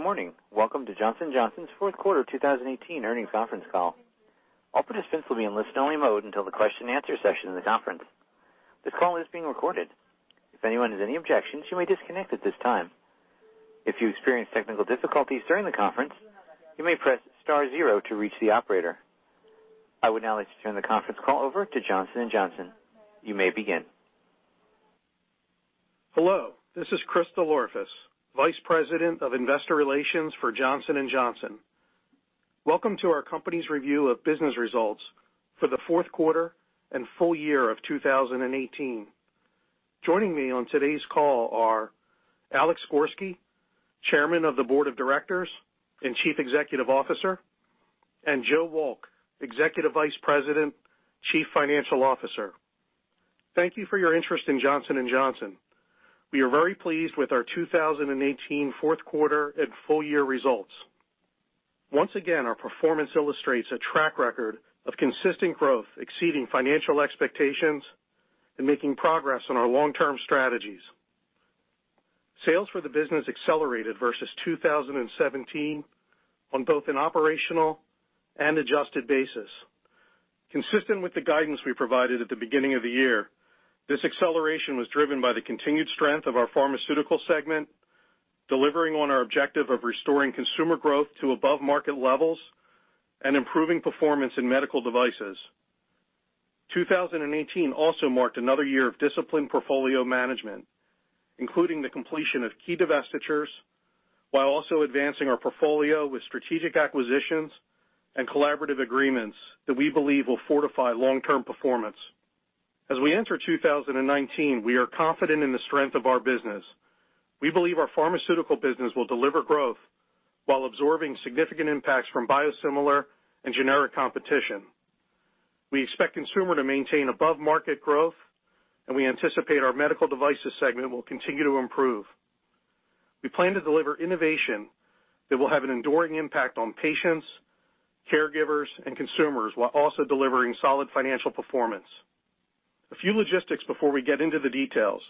Good morning. Welcome to Johnson & Johnson's Fourth Quarter 2018 Earnings Conference Call. All participants will be in listen only mode until the question answer session of the conference. This call is being recorded. If anyone has any objections, you may disconnect at this time. If you experience technical difficulties during the conference, you may press star zero to reach the operator. I would now like to turn the conference call over to Johnson & Johnson. You may begin. Hello, this is Chris DelOrefice, Vice President of Investor Relations for Johnson & Johnson. Welcome to our company's review of business results for the fourth quarter and full year of 2018. Joining me on today's call are Alex Gorsky, Chairman of the Board of Directors and Chief Executive Officer, and Joe Wolk, Executive Vice President, Chief Financial Officer. Thank you for your interest in Johnson & Johnson. We are very pleased with our 2018 fourth quarter and full year results. Once again, our performance illustrates a track record of consistent growth, exceeding financial expectations and making progress on our long-term strategies. Sales for the business accelerated versus 2017 on both an operational and adjusted basis. Consistent with the guidance we provided at the beginning of the year, this acceleration was driven by the continued strength of our pharmaceutical segment, delivering on our objective of restoring consumer growth to above market levels and improving performance in medical devices. A 2018 also marked another year of disciplined portfolio management, including the completion of key divestitures, while also advancing our portfolio with strategic acquisitions and collaborative agreements that we believe will fortify long-term performance. As we enter 2019, we are confident in the strength of our business. We believe our pharmaceutical business will deliver growth while absorbing significant impacts from biosimilar and generic competition. We expect consumer to maintain above market growth, and we anticipate our medical devices segment will continue to improve. We plan to deliver innovation that will have an enduring impact on patients, caregivers, and consumers while also delivering solid financial performance. A few logistics before we get into the details.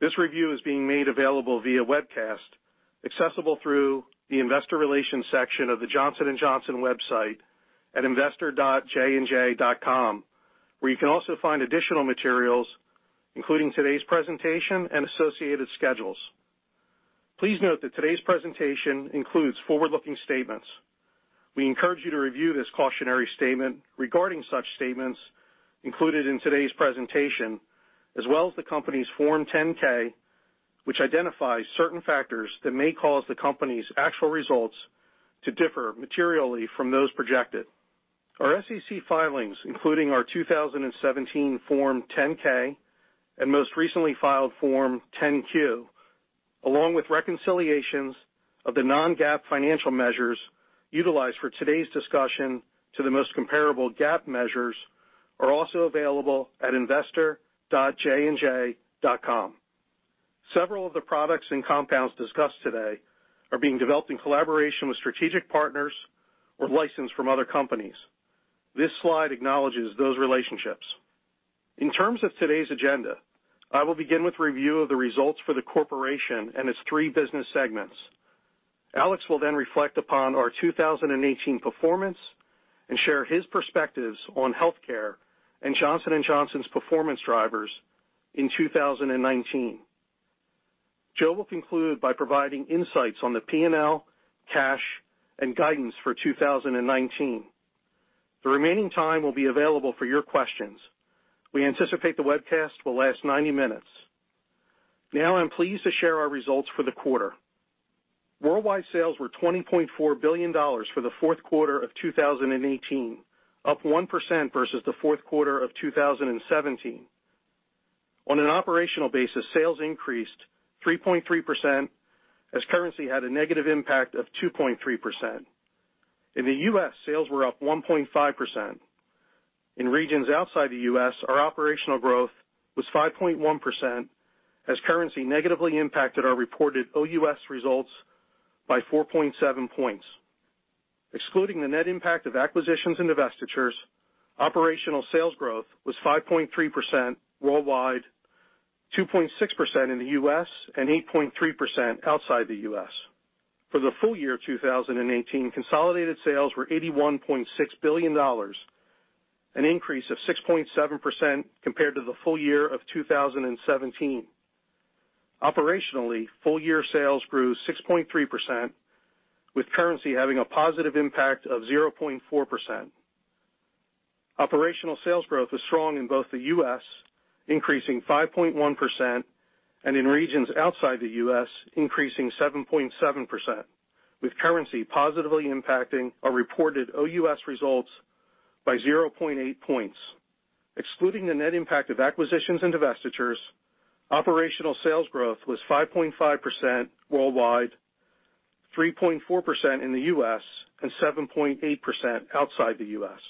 This review is being made available via webcast, accessible through the investor relations section of the Johnson & Johnson website at investor.jandj.com, where you can also find additional materials, including today's presentation and associated schedules. Please note that today's presentation includes forward-looking statements. We encourage you to review this cautionary statement regarding such statements included in today's presentation, as well as the company's Form 10-K, which identifies certain factors that may cause the company's actual results to differ materially from those projected. Our SEC filings, including our 2017 Form 10-K and most recently filed Form 10-Q, along with reconciliations of the non-GAAP financial measures utilized for today's discussion to the most comparable GAAP measures, are also available at investor.jandj.com. Several of the products and compounds discussed today are being developed in collaboration with strategic partners or licensed from other companies. This slide acknowledges those relationships. In terms of today's agenda, I will begin with review of the results for the corporation and its three business segments. Alex will then reflect upon our 2018 performance and share his perspectives on healthcare and Johnson & Johnson's performance drivers in 2019. Joe will conclude by providing insights on the P&L, cash, and guidance for 2019. The remaining time will be available for your questions. We anticipate the webcast will last 90 minutes. Now I'm pleased to share our results for the quarter. Worldwide sales were $20.4 billion for the fourth quarter of 2018, up 1% versus the fourth quarter of 2017. On an operational basis, sales increased 3.3% as currency had a negative impact of 2.3%. In the U.S., sales were up 1.5%. In regions outside the U.S., our operational growth was 5.1% as currency negatively impacted our reported OUS results by 4.7 points. Excluding the net impact of acquisitions and divestitures, operational sales growth was 5.3% worldwide, 2.6% in the U.S., and 8.3% outside the U.S.. For the full year of 2018, consolidated sales were $81.6 billion, an increase of 6.7% compared to the full year of 2017. Operationally, full year sales grew 6.3%, with currency having a positive impact of 0.4%. Operational sales growth was strong in both the U.S., increasing 5.1%, and in regions outside the U.S., increasing 7.7%, with currency positively impacting our reported OUS results by 0.8 points. Excluding the net impact of acquisitions and divestitures, operational sales growth was 5.5% worldwide, 3.4% in the U.S., and 7.8% outside the U.S..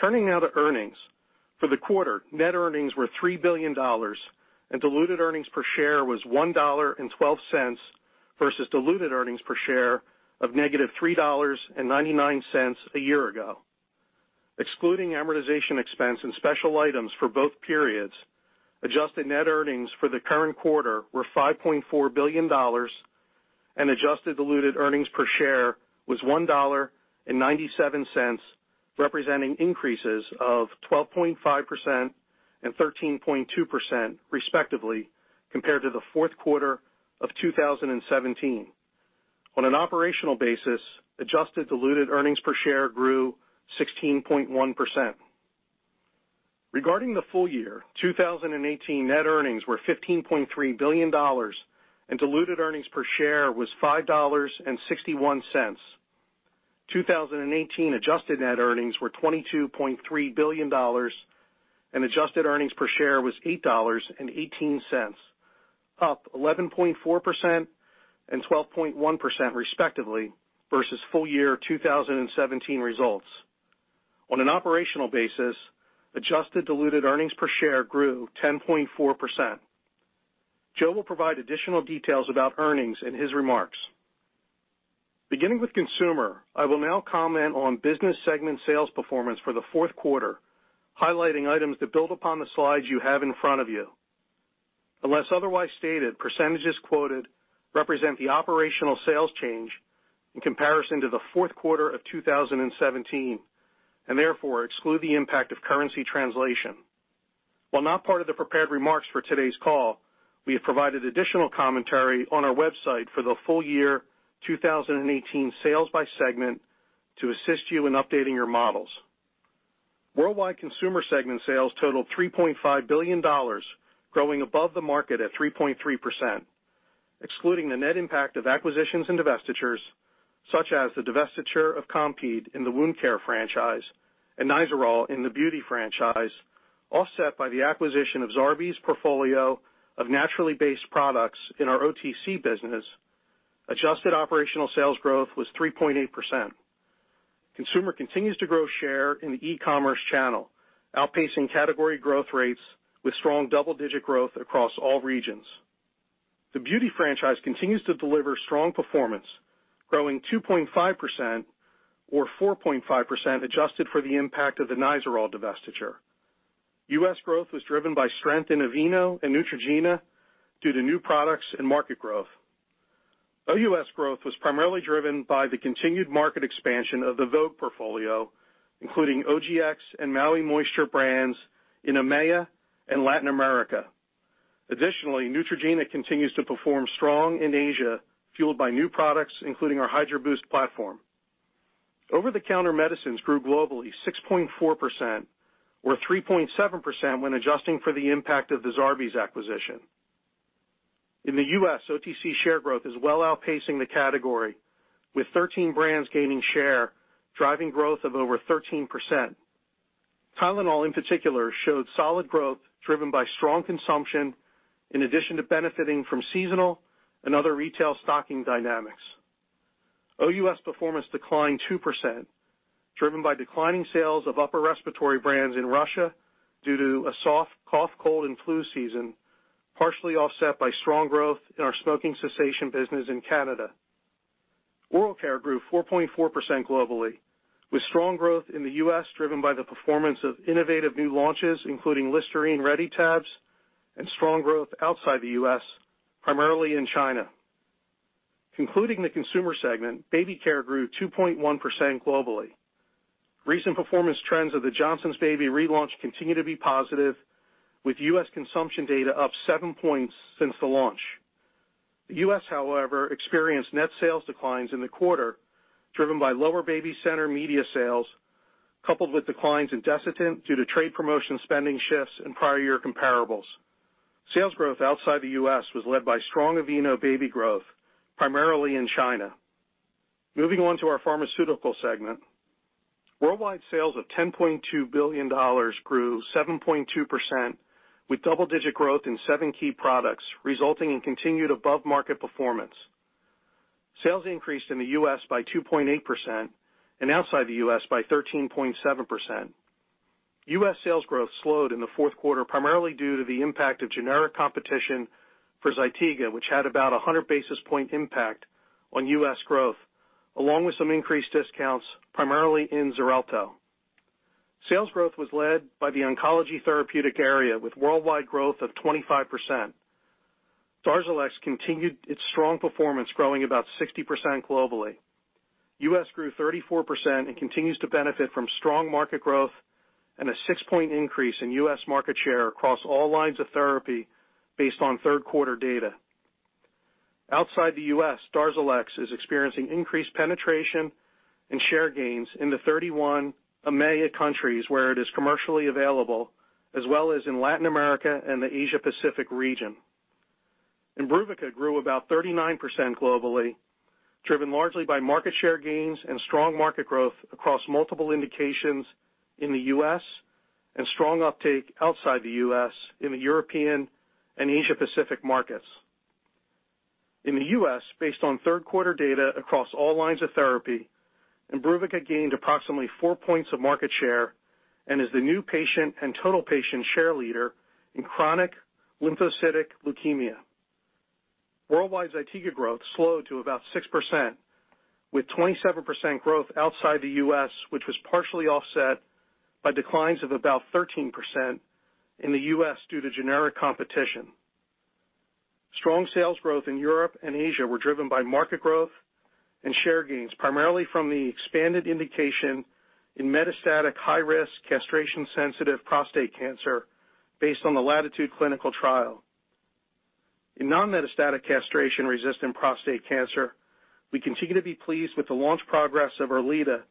Turning now to earnings. For the quarter, net earnings were $3 billion, and diluted earnings per share was $1.12 versus diluted earnings per share of negative $3.99 a year ago. Excluding amortization expense and special items for both periods, adjusted net earnings for the current quarter were $5.4 billion, and adjusted diluted earnings per share was $1.97, representing increases of 12.5% and 13.2%, respectively, compared to the fourth quarter of 2017. On an operational basis, adjusted diluted earnings per share grew 16.1%. Regarding the full year, 2018 net earnings were $15.3 billion, and diluted earnings per share was $5.61. 2018 adjusted net earnings were $22.3 billion, and adjusted earnings per share was $8.18, up 11.4% and 12.1%, respectively, versus full-year 2017 results. On an operational basis, adjusted diluted earnings per share grew 10.4%. Joe will provide additional details about earnings in his remarks. Beginning with Consumer, I will now comment on business segment sales performance for the fourth quarter, highlighting items that build upon the slides you have in front of you. Unless otherwise stated, percentages quoted represent the operational sales change in comparison to the fourth quarter of 2017, and therefore exclude the impact of currency translation. While not part of the prepared remarks for today's call, we have provided additional commentary on our website for the full-year 2018 sales by segment to assist you in updating your models. Worldwide Consumer segment sales totaled $3.5 billion, growing above the market at 3.3%. Excluding the net impact of acquisitions and divestitures, such as the divestiture of Compeed in the Wound Care franchise and Nizoral in the Beauty franchise, offset by the acquisition of Zarbee's portfolio of naturally based products in our OTC business, adjusted operational sales growth was 3.8%. Consumer continues to grow share in the e-commerce channel, outpacing category growth rates with strong double-digit growth across all regions. The Beauty franchise continues to deliver strong performance, growing 2.5%, or 4.5% adjusted for the impact of the Nizoral divestiture. U.S. growth was driven by strength in Aveeno and Neutrogena due to new products and market growth. OUS growth was primarily driven by the continued market expansion of the Vogue portfolio, including OGX and Maui Moisture brands in EMEA and Latin America. Additionally, Neutrogena continues to perform strong in Asia, fueled by new products, including our Hydro Boost platform. Over-the-counter medicines grew globally 6.4%, or 3.7% when adjusting for the impact of the Zarbee's acquisition. In the U.S., OTC share growth is well outpacing the category, with 13 brands gaining share, driving growth of over 13%. Tylenol, in particular, showed solid growth driven by strong consumption, in addition to benefiting from seasonal and other retail stocking dynamics. OUS performance declined 2%, driven by declining sales of upper respiratory brands in Russia due to a soft cough, cold, and flu season, partially offset by strong growth in our smoking cessation business in Canada. Oral care grew 4.4% globally, with strong growth in the U.S., driven by the performance of Listerine READY! Tab and strong growth outside the U.S., primarily in China. Concluding the Consumer segment, baby care grew 2.1% globally. Recent performance trends of Johnson's Baby relaunch continue to be positive, with U.S. consumption data up seven points since the launch. The U.S., however, experienced net sales declines in the quarter, driven by lower BabyCenter media sales, coupled with declines in Desitin due to trade promotion spending shifts and prior year comparables. Sales growth outside the U.S. was led by strong Aveeno Baby growth, primarily in China. Moving on to our Pharmaceutical segment. Worldwide sales of $10.2 billion grew 7.2%, with double-digit growth in seven key products, resulting in continued above-market performance. Sales increased in the U.S. by 2.8% and outside the U.S. by 13.7%. U.S. sales growth slowed in the fourth quarter, primarily due to the impact of generic competition for ZYTIGA, which had about 100 basis point impact on U.S. growth, along with some increased discounts, primarily in XARELTO. Sales growth was led by the oncology therapeutic area, with worldwide growth of 25%. DARZALEX continued its strong performance, growing about 60% globally. U.S. grew 34% and continues to benefit from strong market growth and a 6 point increase in U.S. market share across all lines of therapy based on third quarter data. Outside the U.S., DARZALEX is experiencing increased penetration and share gains in the 31 EMEA countries where it is commercially available, as well as in Latin America and the Asia-Pacific region. IMBRUVICA grew about 39% globally, driven largely by market share gains and strong market growth across multiple indications in the U.S., and strong uptake outside the U.S. in the European and Asia-Pacific markets. In the U.S., based on third quarter data across all lines of therapy, IMBRUVICA gained approximately 4 points of market share and is the new patient and total patient share leader in chronic lymphocytic leukemia. Worldwide ZYTIGA growth slowed to about 6%, with 27% growth outside the U.S., which was partially offset by declines of about 13% in the U.S. due to generic competition. Strong sales growth in Europe and Asia were driven by market growth and share gains, primarily from the expanded indication in metastatic high-risk castration-sensitive prostate cancer based on the LATITUDE clinical trial. In non-metastatic castration-resistant prostate cancer, we continue to be pleased with the launch progress of ERLEADA,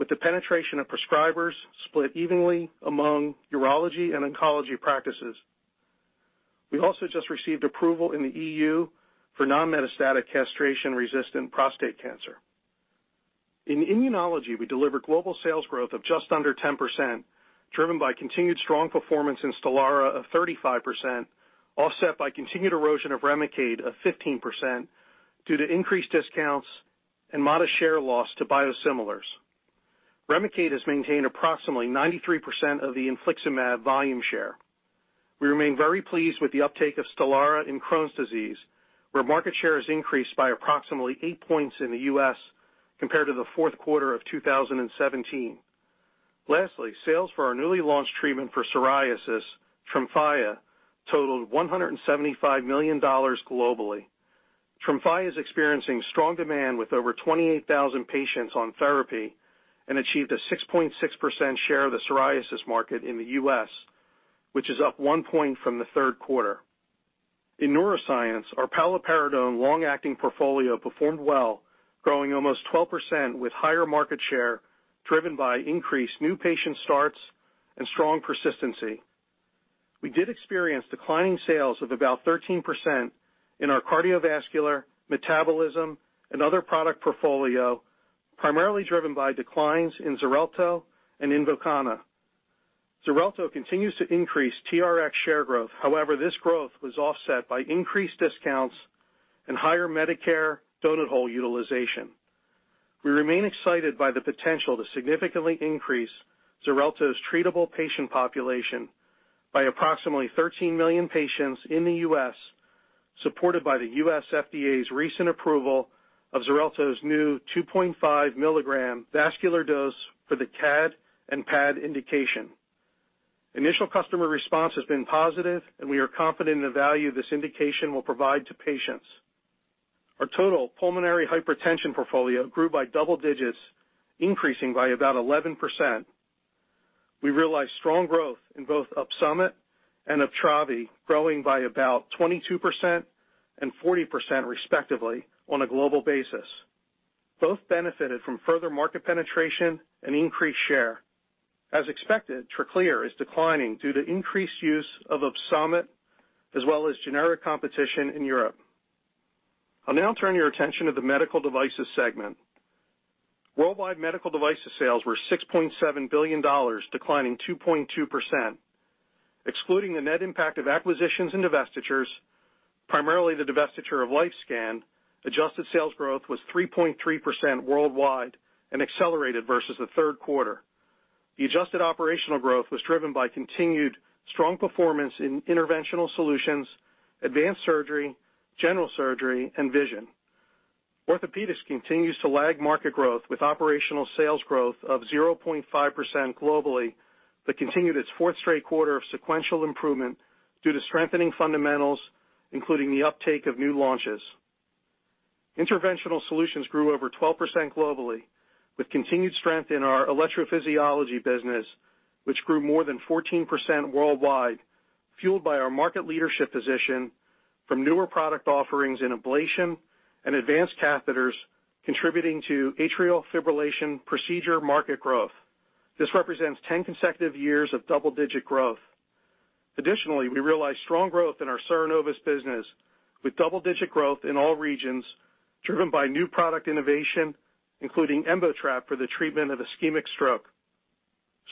with the penetration of prescribers split evenly among urology and oncology practices. We also just received approval in the EU for non-metastatic castration-resistant prostate cancer. In immunology, we delivered global sales growth of just under 10%, driven by continued strong performance in STELARA of 35%, offset by continued erosion of REMICADE of 15% due to increased discounts and modest share loss to biosimilars. REMICADE has maintained approximately 93% of the infliximab volume share. We remain very pleased with the uptake of STELARA in Crohn's disease, where market share has increased by approximately 8 points in the U.S. compared to the fourth quarter of 2017. Lastly, sales for our newly launched treatment for psoriasis, TREMFYA, totaled $175 million globally. TREMFYA is experiencing strong demand with over 28,000 patients on therapy and achieved a 6.6% share of the psoriasis market in the U.S., which is up 1 point from the third quarter. In neuroscience, our paliperidone long-acting portfolio performed well, growing almost 12% with higher market share, driven by increased new patient starts and strong persistency. We did experience declining sales of about 13% in our cardiovascular, metabolism, and other product portfolio, primarily driven by declines in XARELTO and INVOKANA. XARELTO continues to increase TRX share growth. However, this growth was offset by increased discounts and higher Medicare doughnut hole utilization. We remain excited by the potential to significantly increase XARELTO's treatable patient population by approximately 13 million patients in the U.S., supported by the U.S. FDA's recent approval of XARELTO's new 2.5 mg vascular dose for the CAD and PAD indication. Initial customer response has been positive, and we are confident in the value this indication will provide to patients. Our total pulmonary hypertension portfolio grew by double digits, increasing by about 11%. We realized strong growth in both OPSUMIT and UPTRAVI, growing by about 22% and 40%, respectively, on a global basis. Both benefited from further market penetration and increased share. As expected, TRACLEER is declining due to increased use of OPSUMIT, as well as generic competition in Europe. I'll now turn your attention to the medical devices segment. Worldwide medical devices sales were $6.7 billion, declining 2.2%. Excluding the net impact of acquisitions and divestitures, primarily the divestiture of LifeScan, adjusted sales growth was 3.3% worldwide and accelerated versus the third quarter. The adjusted operational growth was driven by continued strong performance in interventional solutions, advanced surgery, general surgery, and vision. Orthopedics continues to lag market growth with operational sales growth of 0.5% globally, but continued its fourth straight quarter of sequential improvement due to strengthening fundamentals, including the uptake of new launches. Interventional solutions grew over 12% globally with continued strength in our electrophysiology business, which grew more than 14% worldwide, fueled by our market leadership position from newer product offerings in ablation and advanced catheters contributing to atrial fibrillation procedure market growth. This represents 10 consecutive years of double-digit growth. Additionally, we realized strong growth in our CERENOVUS business with double-digit growth in all regions, driven by new product innovation, including EMBOTRAP for the treatment of ischemic stroke.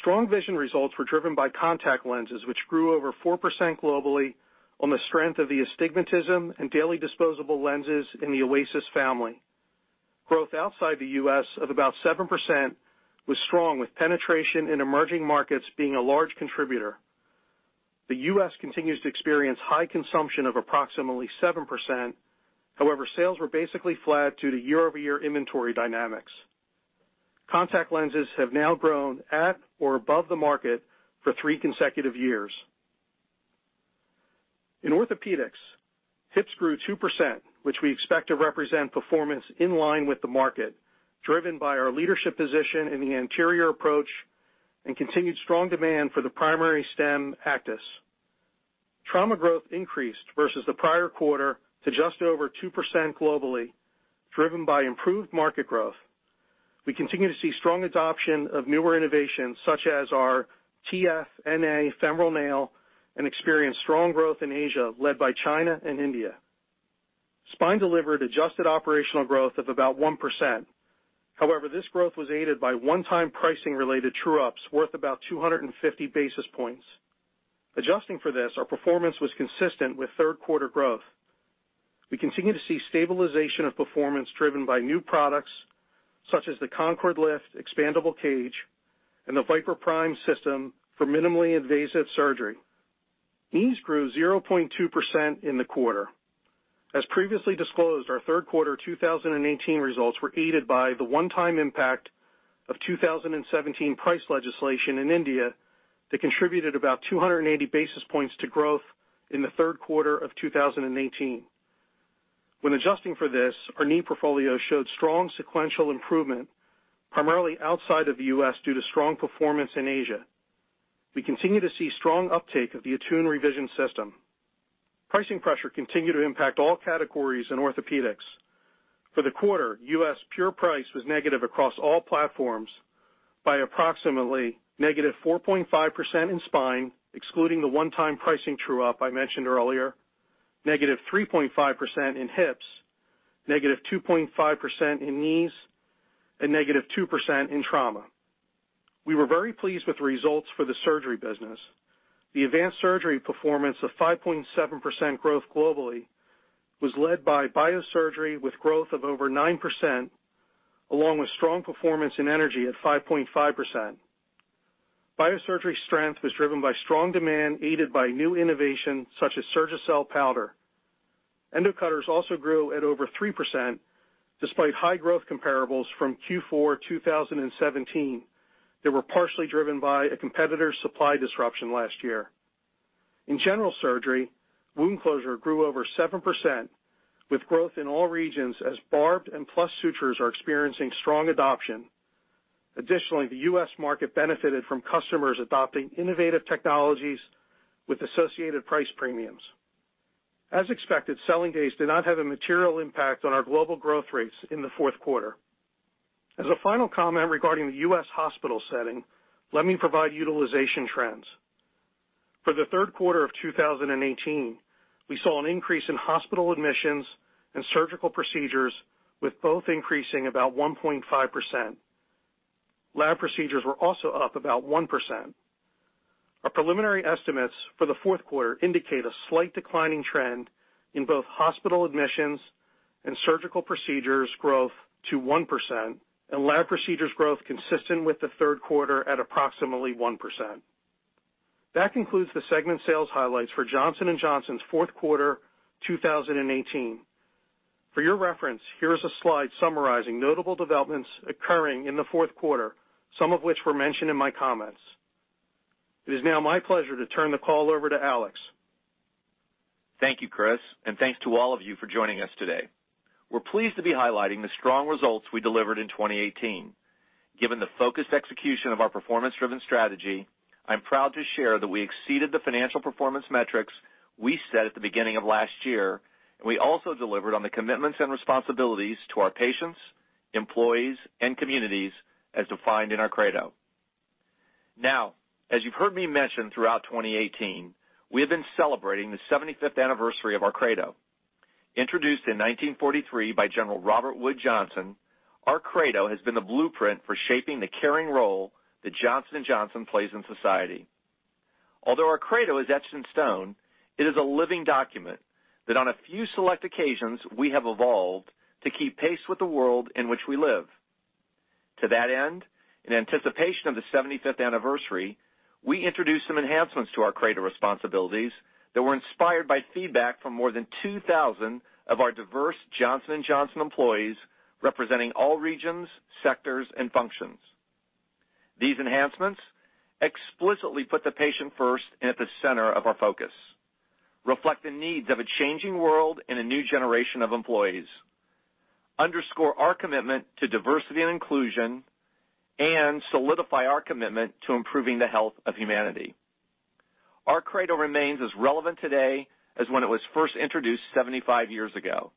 Strong vision results were driven by contact lenses, which grew over 4% globally on the strength of the astigmatism and daily disposable lenses in the OASYS family. Growth outside the U.S. of about 7% was strong, with penetration in emerging markets being a large contributor. The U.S. continues to experience high consumption of approximately 7%. However, sales were basically flat due to year-over-year inventory dynamics. Contact lenses have now grown at or above the market for three consecutive years. In orthopedics, hips grew 2%, which we expect to represent performance in line with the market, driven by our leadership position in the anterior approach and continued strong demand for the primary stem ACTIS. Trauma growth increased versus the prior quarter to just over 2% globally, driven by improved market growth. We continue to see strong adoption of newer innovations such as our TFNA femoral nail and experienced strong growth in Asia, led by China and India. Spine delivered adjusted operational growth of about 1%. However, this growth was aided by one-time pricing related true-ups worth about 250 basis points. Adjusting for this, our performance was consistent with third quarter growth. We continue to see stabilization of performance driven by new products such as the CONCORDE LIFT Expandable Cage and the VIPER PRIME system for minimally invasive surgery. Knees grew 0.2% in the quarter. As previously disclosed, our third quarter 2018 results were aided by the one-time impact of 2017 price legislation in India that contributed about 280 basis points to growth in the third quarter of 2018. When adjusting for this, our knee portfolio showed strong sequential improvement, primarily outside of the U.S. due to strong performance in Asia. We continue to see strong uptake of the ATTUNE Revision System. Pricing pressure continued to impact all categories in orthopedics. For the quarter, U.S. pure price was negative across all platforms by approximately negative 4.5% in spine, excluding the one-time pricing true-up I mentioned earlier, -3.5% in hips, -2.5% in knees, and -2% in trauma. We were very pleased with the results for the surgery business. The advanced surgery performance of 5.7% growth globally was led by biosurgery with growth of over 9%, along with strong performance in energy at 5.5%. Biosurgery strength was driven by strong demand, aided by new innovation such as SURGICEL powder. Endo-cutters also grew at over 3%, despite high growth comparables from Q4 2017 that were partially driven by a competitor's supply disruption last year. In general surgery, wound closure grew over 7%, with growth in all regions as barbed and plus sutures are experiencing strong adoption. Additionally, the U.S. market benefited from customers adopting innovative technologies with associated price premiums. As expected, selling days did not have a material impact on our global growth rates in the fourth quarter. As a final comment regarding the U.S. hospital setting, let me provide utilization trends. For the third quarter of 2018, we saw an increase in hospital admissions and surgical procedures, with both increasing about 1.5%. Lab procedures were also up about 1%. Our preliminary estimates for the fourth quarter indicate a slight declining trend in both hospital admissions and surgical procedures growth to 1% and lab procedures growth consistent with the third quarter at approximately 1%. That concludes the segment sales highlights for Johnson & Johnson's fourth quarter 2018. For your reference, here is a slide summarizing notable developments occurring in the fourth quarter, some of which were mentioned in my comments. It is now my pleasure to turn the call over to Alex. Thank you, Chris, and thanks to all of you for joining us today. We are pleased to be highlighting the strong results we delivered in 2018. Given the focused execution of our performance-driven strategy, I am proud to share that we exceeded the financial performance metrics we set at the beginning of last year, and we also delivered on the commitments and responsibilities to our patients, employees, and communities as defined in our Credo. As you've heard me mention throughout 2018, we have been celebrating the 75th anniversary of our Credo. Introduced in 1943 by General Robert Wood Johnson, our Credo has been the blueprint for shaping the caring role that Johnson & Johnson plays in society. Although our Credo is etched in stone, it is a living document that on a few select occasions, we have evolved to keep pace with the world in which we live. To that end, in anticipation of the 75th anniversary, we introduced some enhancements to our Credo responsibilities that were inspired by feedback from more than 2,000 of our diverse Johnson & Johnson employees representing all regions, sectors, and functions. These enhancements explicitly put the patient first and at the center of our focus, reflect the needs of a changing world and a new generation of employees, underscore our commitment to diversity and inclusion, solidify our commitment to improving the health of humanity. Our Credo remains as relevant today as when it was first introduced 75 years ago,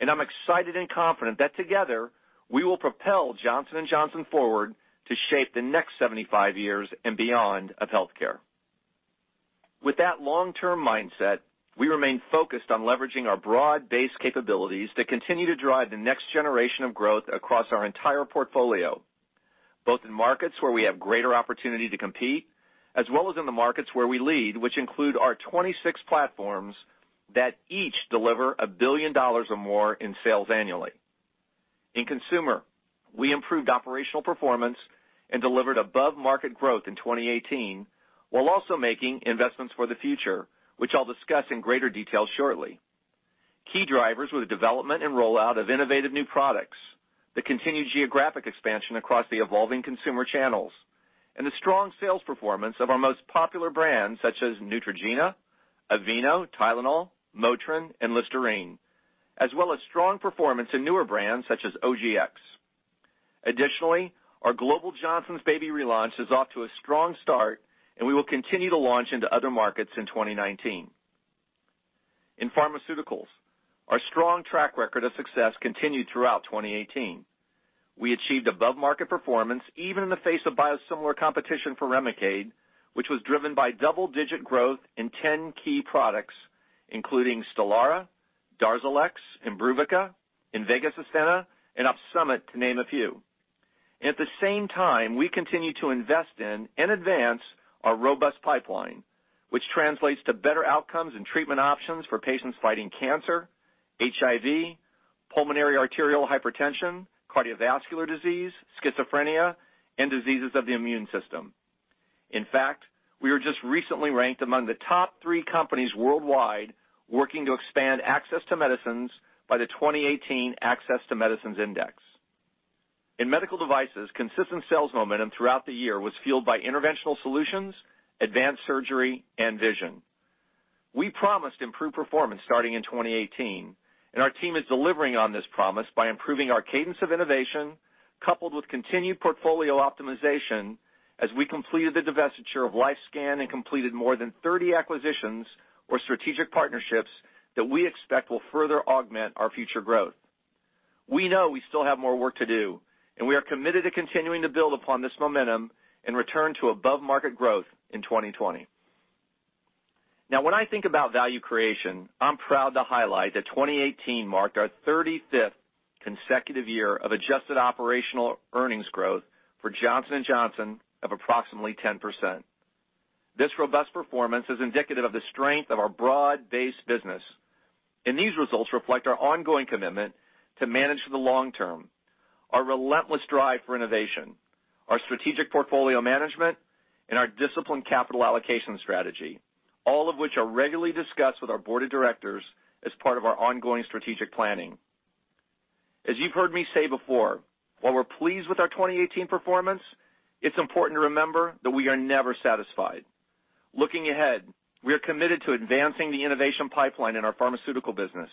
I am excited and confident that together, we will propel Johnson & Johnson forward to shape the next 75 years and beyond of healthcare. With that long-term mindset, we remain focused on leveraging our broad-based capabilities to continue to drive the next generation of growth across our entire portfolio, both in markets where we have greater opportunity to compete, as well as in the markets where we lead, which include our 26 platforms that each deliver a billion dollars or more in sales annually. In consumer, we improved operational performance and delivered above-market growth in 2018, while also making investments for the future, which I will discuss in greater detail shortly. Key drivers were the development and rollout of innovative new products, the continued geographic expansion across the evolving consumer channels, and the strong sales performance of our most popular brands, such as Neutrogena, Aveeno, Tylenol, Motrin, and Listerine, as well as strong performance in newer brands such as OGX. Additionally, our Global Johnson's Baby relaunch is off to a strong start, and we will continue to launch into other markets in 2019. In pharmaceuticals, our strong track record of success continued throughout 2018. We achieved above-market performance even in the face of biosimilar competition for REMICADE, which was driven by double-digit growth in 10 key products, including STELARA, DARZALEX, IMBRUVICA, INVEGA SUSTENNA, and OPSUMIT, to name a few. At the same time, we continue to invest in and advance our robust pipeline, which translates to better outcomes and treatment options for patients fighting cancer, HIV, pulmonary arterial hypertension, cardiovascular disease, schizophrenia, and diseases of the immune system. In fact, we were just recently ranked among the top three companies worldwide working to expand access to medicines by the 2018 Access to Medicine Index. In medical devices, consistent sales momentum throughout the year was fueled by interventional solutions, advanced surgery, and vision. We promised improved performance starting in 2018, and our team is delivering on this promise by improving our cadence of innovation, coupled with continued portfolio optimization as we completed the divestiture of LifeScan and completed more than 30 acquisitions or strategic partnerships that we expect will further augment our future growth. We know we still have more work to do, and we are committed to continuing to build upon this momentum and return to above-market growth in 2020. When I think about value creation, I'm proud to highlight that 2018 marked our 35th consecutive year of adjusted operational earnings growth for Johnson & Johnson of approximately 10%. This robust performance is indicative of the strength of our broad-based business, and these results reflect our ongoing commitment to manage for the long term, our relentless drive for innovation, our strategic portfolio management, and our disciplined capital allocation strategy, all of which are regularly discussed with our board of directors as part of our ongoing strategic planning. As you've heard me say before, while we're pleased with our 2018 performance, it's important to remember that we are never satisfied. Looking ahead, we are committed to advancing the innovation pipeline in our pharmaceutical business,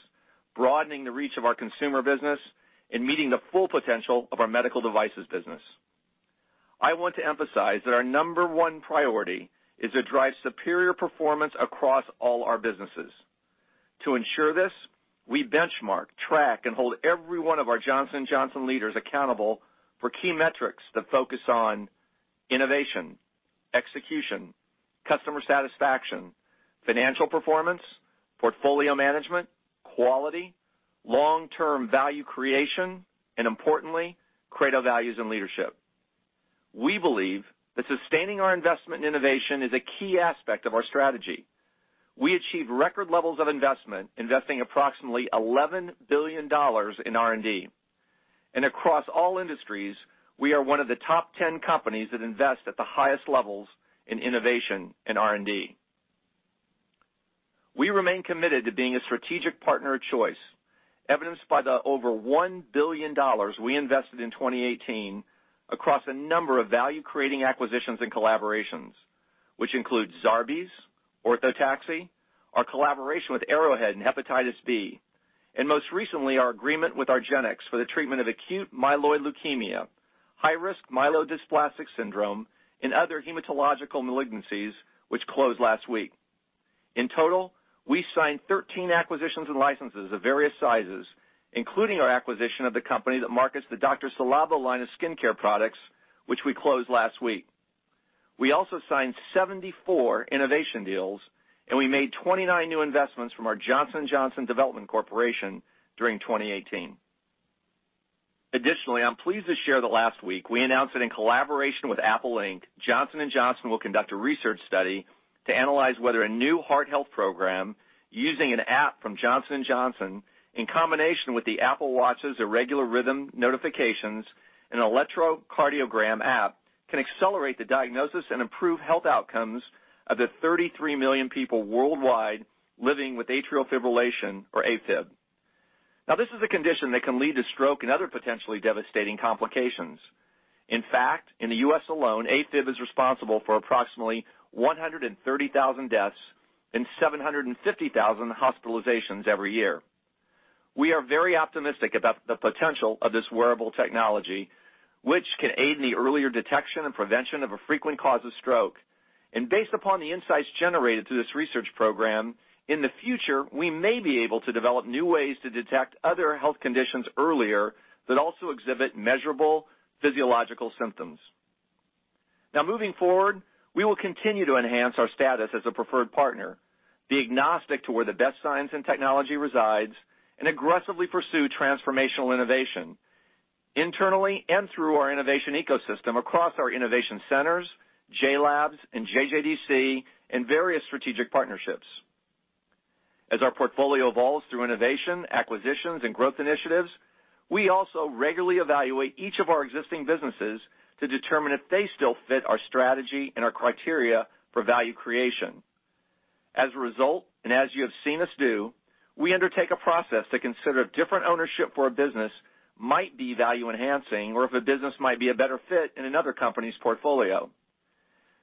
broadening the reach of our consumer business, and meeting the full potential of our medical devices business. I want to emphasize that our number one priority is to drive superior performance across all our businesses. To ensure this, we benchmark, track, and hold every one of our Johnson & Johnson leaders accountable for key metrics that focus on innovation, execution, customer satisfaction, financial performance, portfolio management, quality, long-term value creation, and importantly, Credo values and leadership. We believe that sustaining our investment in innovation is a key aspect of our strategy. We achieved record levels of investment, investing approximately $11 billion in R&D. Across all industries, we are one of the top 10 companies that invest at the highest levels in innovation in R&D. We remain committed to being a strategic partner of choice, evidenced by the over $1 billion we invested in 2018 across a number of value-creating acquisitions and collaborations, which include Zarbee's, Orthotaxy, our collaboration with Arrowhead in hepatitis B, and most recently, our agreement with argenx for the treatment of acute myeloid leukemia, high-risk myelodysplastic syndrome, and other hematological malignancies, which closed last week. In total, we signed 13 acquisitions and licenses of various sizes, including our acquisition of the company that markets the Dr.Ci:Labo line of skincare products, which we closed last week. We also signed 74 innovation deals, and we made 29 new investments from our Johnson & Johnson Development Corporation during 2018. I'm pleased to share that last week we announced that in collaboration with Apple Inc, Johnson & Johnson will conduct a research study to analyze whether a new heart health program using an an app from Johnson & Johnson, in combination with the Apple Watch's irregular rhythm notifications and electrocardiogram app, can accelerate the diagnosis and improve health outcomes of the 33 million people worldwide living with atrial fibrillation, or AFib. This is a condition that can lead to stroke and other potentially devastating complications. In fact, in the U.S. alone, AFib is responsible for approximately 130,000 deaths and 750,000 hospitalizations every year. We are very optimistic about the potential of this wearable technology, which can aid in the earlier detection and prevention of a frequent cause of stroke. Based upon the insights generated through this research program, in the future, we may be able to develop new ways to detect other health conditions earlier that also exhibit measurable physiological symptoms. Moving forward, we will continue to enhance our status as a preferred partner, be agnostic to where the best science and technology resides, and aggressively pursue transformational innovation, internally and through our innovation ecosystem across our innovation centers, JLABS, and JJDC, and various strategic partnerships. As our portfolio evolves through innovation, acquisitions, and growth initiatives, we also regularly evaluate each of our existing businesses to determine if they still fit our strategy and our criteria for value creation. As a result, as you have seen us do, we undertake a process to consider if different ownership for a business might be value-enhancing or if a business might be a better fit in another company's portfolio.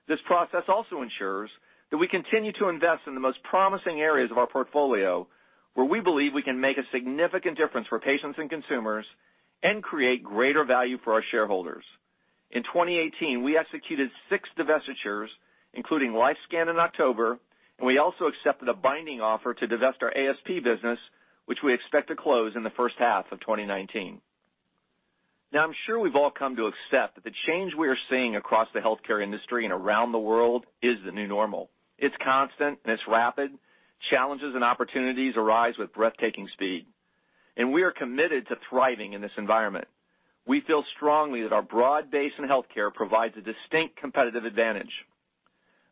This process also ensures that we continue to invest in the most promising areas of our portfolio where we believe we can make a significant difference for patients and consumers and create greater value for our shareholders. In 2018, we executed six divestitures, including LifeScan in October, and we also accepted a binding offer to divest our ASP business, which we expect to close in the first half of 2019. I'm sure we've all come to accept that the change we are seeing across the healthcare industry and around the world is the new normal. It's constant, and it's rapid. Challenges and opportunities arise with breathtaking speed. We are committed to thriving in this environment. We feel strongly that our broad base in healthcare provides a distinct competitive advantage.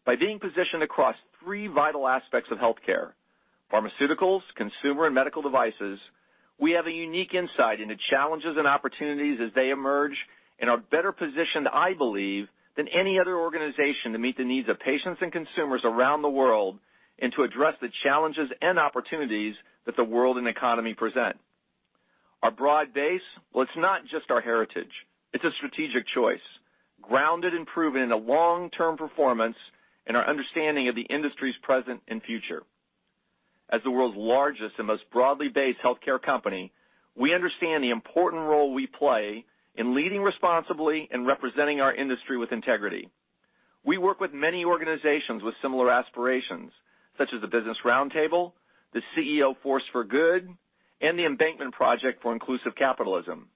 By being positioned across three vital aspects of healthcare, pharmaceuticals, consumer and medical devices, we have a unique insight into challenges and opportunities as they emerge and are better positioned, I believe, than any other organization to meet the needs of patients and consumers around the world, and to address the challenges and opportunities that the world and economy present. Our broad base, well, it's not just our heritage, it's a strategic choice, grounded and proven in a long-term performance and our understanding of the industry's present and future. As the world's largest and most broadly based healthcare company, we understand the important role we play in leading responsibly and representing our industry with integrity. We work with many organizations with similar aspirations, such as the Business Roundtable, the CECP: The CEO Force for Good, and the Embankment Project for Inclusive Capitalism.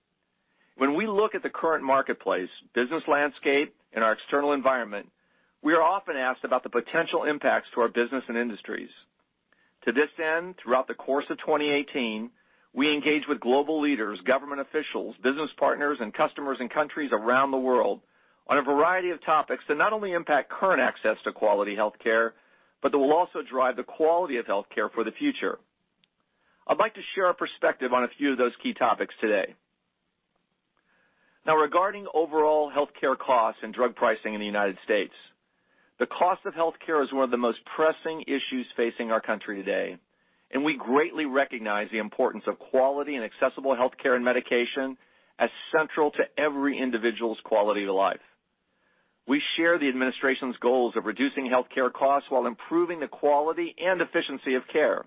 When we look at the current marketplace, business landscape, and our external environment, we are often asked about the potential impacts to our business and industries. To this end, throughout the course of 2018, we engaged with global leaders, government officials, business partners, and customers in countries around the world on a variety of topics that not only impact current access to quality healthcare, but that will also drive the quality of healthcare for the future. I'd like to share our perspective on a few of those key topics today. Now, regarding overall healthcare costs and drug pricing in the U.S., the cost of healthcare is one of the most pressing issues facing our country today. We greatly recognize the importance of quality and accessible healthcare and medication as central to every individual's quality of life. We share the administration's goals of reducing healthcare costs while improving the quality and efficiency of care.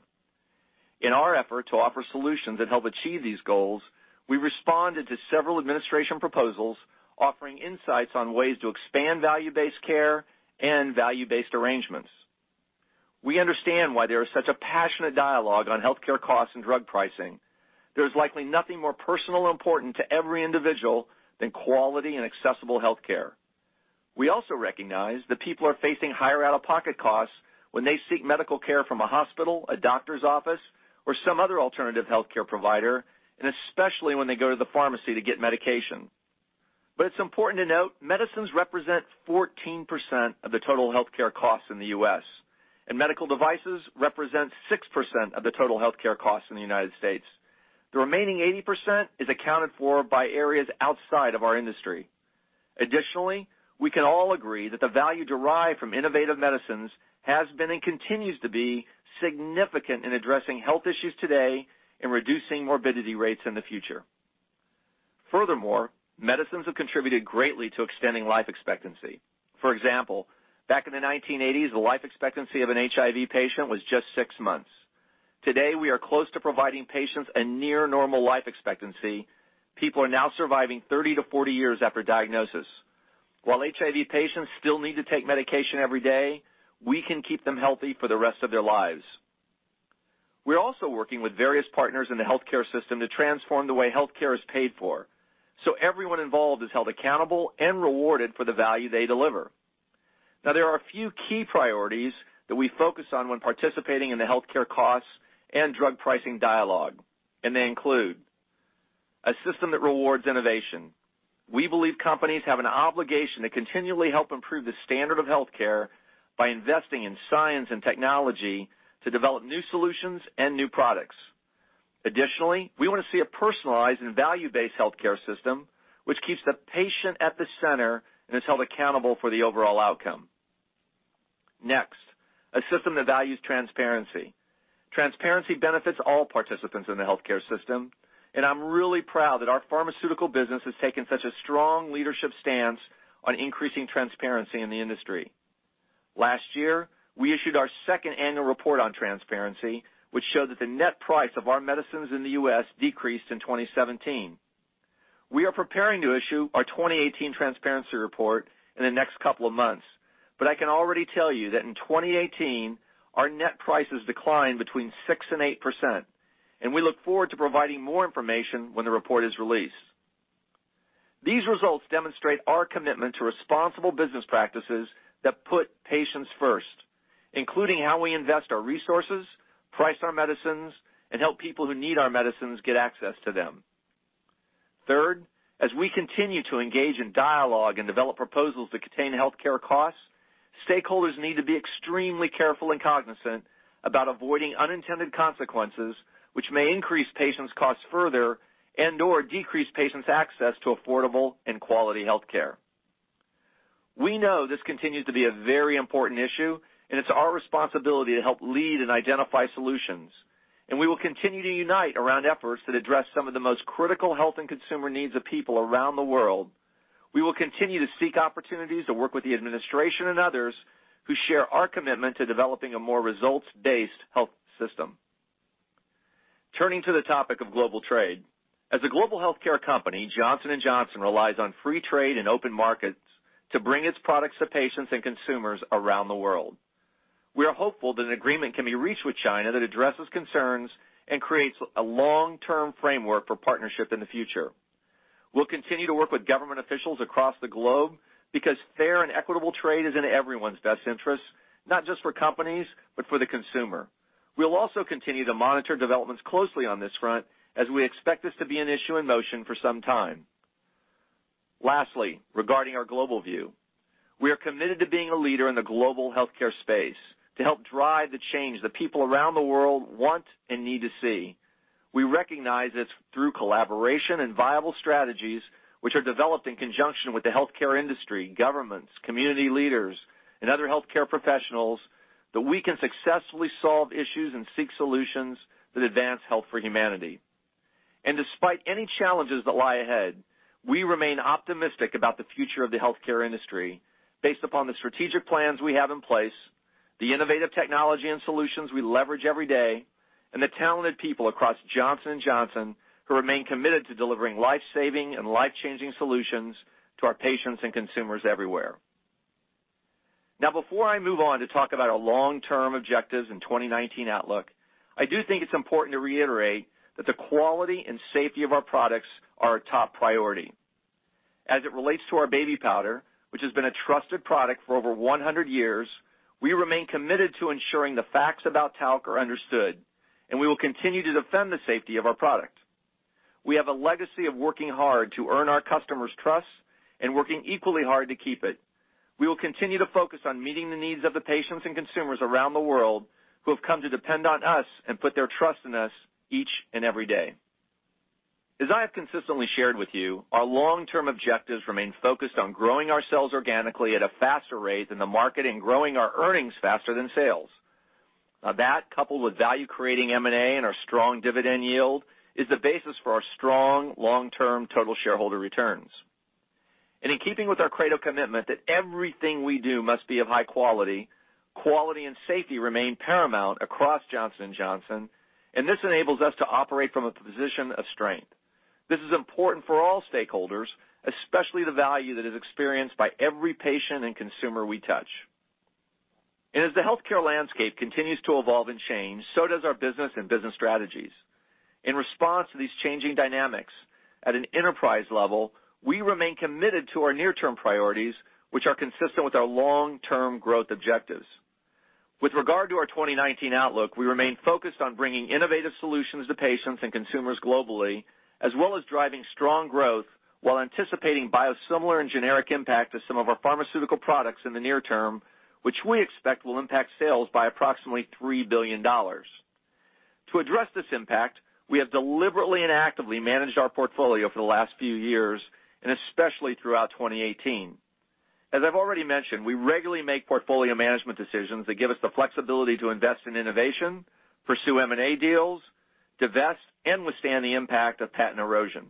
In our effort to offer solutions that help achieve these goals, we responded to several administration proposals, offering insights on ways to expand value-based care and value-based arrangements. We understand why there is such a passionate dialogue on healthcare costs and drug pricing. There's likely nothing more personal and important to every individual than quality and accessible healthcare. We also recognize that people are facing higher out-of-pocket costs when they seek medical care from a hospital, a doctor's office, or some other alternative healthcare provider, and especially when they go to the pharmacy to get medication. It's important to note, medicines represent 14% of the total healthcare costs in the U.S.. Medical devices represent 6% of the total healthcare costs in the United Sates. The remaining 80% is accounted for by areas outside of our industry. Additionally, we can all agree that the value derived from innovative medicines has been, and continues to be, significant in addressing health issues today and reducing morbidity rates in the future. Furthermore, medicines have contributed greatly to extending life expectancy. For example, back in the 1980s, the life expectancy of an HIV patient was just six months. Today, we are close to providing patients a near normal life expectancy. People are now surviving 30-40 years after diagnosis. While HIV patients still need to take medication every day, we can keep them healthy for the rest of their lives. We're also working with various partners in the healthcare system to transform the way healthcare is paid for so everyone involved is held accountable and rewarded for the value they deliver. Now, there are a few key priorities that we focus on when participating in the healthcare costs and drug pricing dialogue. They include a system that rewards innovation. We believe companies have an obligation to continually help improve the standard of healthcare by investing in science and technology to develop new solutions and new products. Additionally, we want to see a personalized and value-based healthcare system which keeps the patient at the center and is held accountable for the overall outcome. Next, a system that values transparency. Transparency benefits all participants in the healthcare system. I'm really proud that our pharmaceutical business has taken such a strong leadership stance on increasing transparency in the industry. Last year, we issued our second annual report on transparency, which showed that the net price of our medicines in the U.S. decreased in 2017. We are preparing to issue our 2018 transparency report in the next couple of months, but I can already tell you that in 2018, our net prices declined between 6% and 8%. We look forward to providing more information when the report is released. These results demonstrate our commitment to responsible business practices that put patients first, including how we invest our resources, price our medicines, and help people who need our medicines get access to them. Third, as we continue to engage in dialogue and develop proposals that contain healthcare costs, stakeholders need to be extremely careful and cognizant about avoiding unintended consequences which may increase patients' costs further and/or decrease patients' access to affordable and quality healthcare. We know this continues to be a very important issue. It's our responsibility to help lead and identify solutions. We will continue to unite around efforts that address some of the most critical health and consumer needs of people around the world. We will continue to seek opportunities to work with the administration and others who share our commitment to developing a more results-based health system. Turning to the topic of global trade. As a global healthcare company, Johnson & Johnson relies on free trade and open markets to bring its products to patients and consumers around the world. We are hopeful that an agreement can be reached with China that addresses concerns and creates a long-term framework for partnership in the future. We'll continue to work with government officials across the globe because fair and equitable trade is in everyone's best interests, not just for companies, but for the consumer. We'll also continue to monitor developments closely on this front, as we expect this to be an issue in motion for some time. Lastly, regarding our global view, we are committed to being a leader in the global healthcare space to help drive the change that people around the world want and need to see. We recognize it's through collaboration and viable strategies, which are developed in conjunction with the healthcare industry, governments, community leaders, and other healthcare professionals, that we can successfully solve issues and seek solutions that advance health for humanity. Despite any challenges that lie ahead, we remain optimistic about the future of the healthcare industry based upon the strategic plans we have in place, the innovative technology and solutions we leverage every day, and the talented people across Johnson & Johnson who remain committed to delivering life-saving and life-changing solutions to our patients and consumers everywhere. Before I move on to talk about our long-term objectives and 2019 outlook, I do think it's important to reiterate that the quality and safety of our products are our top priority. As it relates to our Baby powder, which has been a trusted product for over 100 years, we remain committed to ensuring the facts about talc are understood, and we will continue to defend the safety of our product. We have a legacy of working hard to earn our customers' trust and working equally hard to keep it. We will continue to focus on meeting the needs of the patients and consumers around the world who have come to depend on us and put their trust in us each and every day. As I have consistently shared with you, our long-term objectives remain focused on growing our sales organically at a faster rate than the market and growing our earnings faster than sales. That, coupled with value-creating M&A and our strong dividend yield, is the basis for our strong long-term total shareholder returns. In keeping with our cradle commitment that everything we do must be of high quality and safety remain paramount across Johnson & Johnson, and this enables us to operate from a position of strength. This is important for all stakeholders, especially the value that is experienced by every patient and consumer we touch. As the healthcare landscape continues to evolve and change, so does our business and business strategies. In response to these changing dynamics, at an enterprise level, we remain committed to our near-term priorities, which are consistent with our long-term growth objectives. With regard to our 2019 outlook, we remain focused on bringing innovative solutions to patients and consumers globally, as well as driving strong growth while anticipating biosimilar and generic impact to some of our pharmaceutical products in the near term, which we expect will impact sales by approximately $3 billion. To address this impact, we have deliberately and actively managed our portfolio for the last few years, and especially throughout 2018. As I've already mentioned, we regularly make portfolio management decisions that give us the flexibility to invest in innovation, pursue M&A deals, divest, and withstand the impact of patent erosion.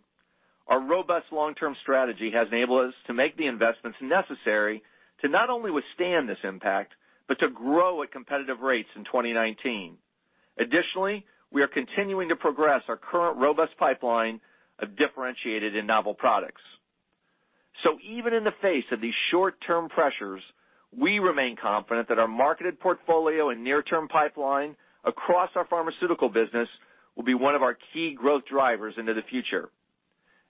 Our robust long-term strategy has enabled us to make the investments necessary to not only withstand this impact but to grow at competitive rates in 2019. Additionally, we are continuing to progress our current robust pipeline of differentiated and novel products. Even in the face of these short-term pressures, we remain confident that our marketed portfolio and near-term pipeline across our pharmaceutical business will be one of our key growth drivers into the future.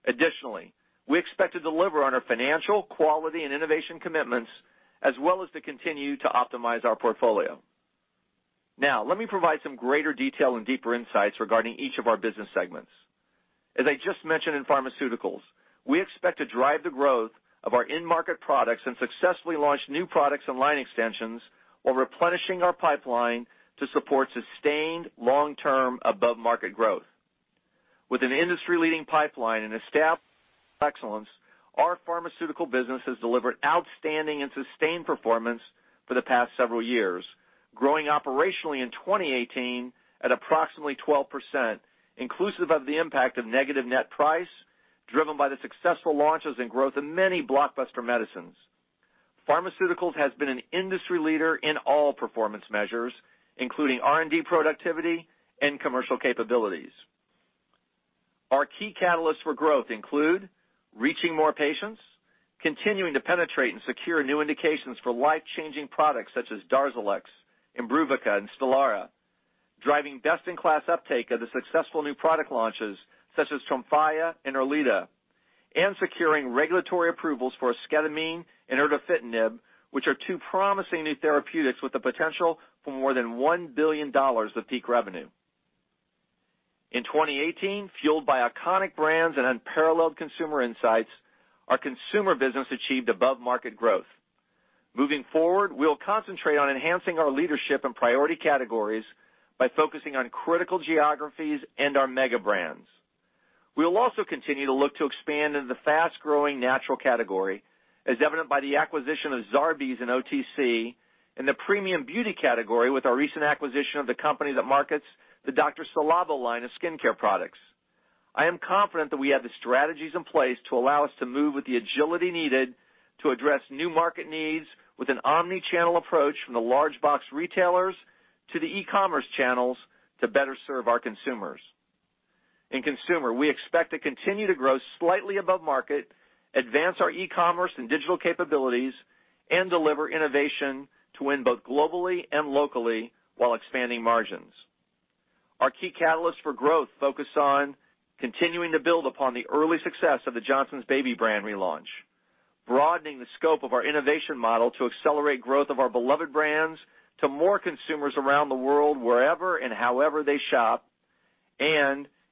Additionally, we expect to deliver on our financial, quality, and innovation commitments, as well as to continue to optimize our portfolio. Now, let me provide some greater detail and deeper insights regarding each of our business segments. As I just mentioned in pharmaceuticals, we expect to drive the growth of our end-market products and successfully launch new products and line extensions while replenishing our pipeline to support sustained long-term above-market growth. With an industry-leading pipeline and established excellence, our pharmaceutical business has delivered outstanding and sustained performance for the past several years, growing operationally in 2018 at approximately 12%, inclusive of the impact of negative net price, driven by the successful launches and growth of many blockbuster medicines. Pharmaceuticals has been an industry leader in all performance measures, including R&D productivity and commercial capabilities. Our key catalysts for growth include reaching more patients, continuing to penetrate and secure new indications for life-changing products such as DARZALEX, IMBRUVICA, and STELARA, driving best-in-class uptake of the successful new product launches, such as TREMFYA and ERLEADA, and securing regulatory approvals for esketamine and erdafitinib, which are two promising new therapeutics with the potential for more than $1 billion of peak revenue. In 2018, fueled by iconic brands and unparalleled consumer insights, our consumer business achieved above-market growth. Moving forward, we will concentrate on enhancing our leadership in priority categories by focusing on critical geographies and our mega brands. We will also continue to look to expand into the fast-growing natural category, as evident by the acquisition of Zarbee’s in OTC, and the premium beauty category with our recent acquisition of the company that markets the Dr.Ci:Labo line of skincare products. I am confident that we have the strategies in place to allow us to move with the agility needed to address new market needs with an omnichannel approach from the large box retailers to the e-commerce channels to better serve our consumers. In consumer, we expect to continue to grow slightly above market, advance our e-commerce and digital capabilities, and deliver innovation to win both globally and locally while expanding margins. Our key catalysts for growth focus on continuing to build upon the early success of the Johnson's Baby brand relaunch, broadening the scope of our innovation model to accelerate growth of our beloved brands to more consumers around the world wherever and however they shop.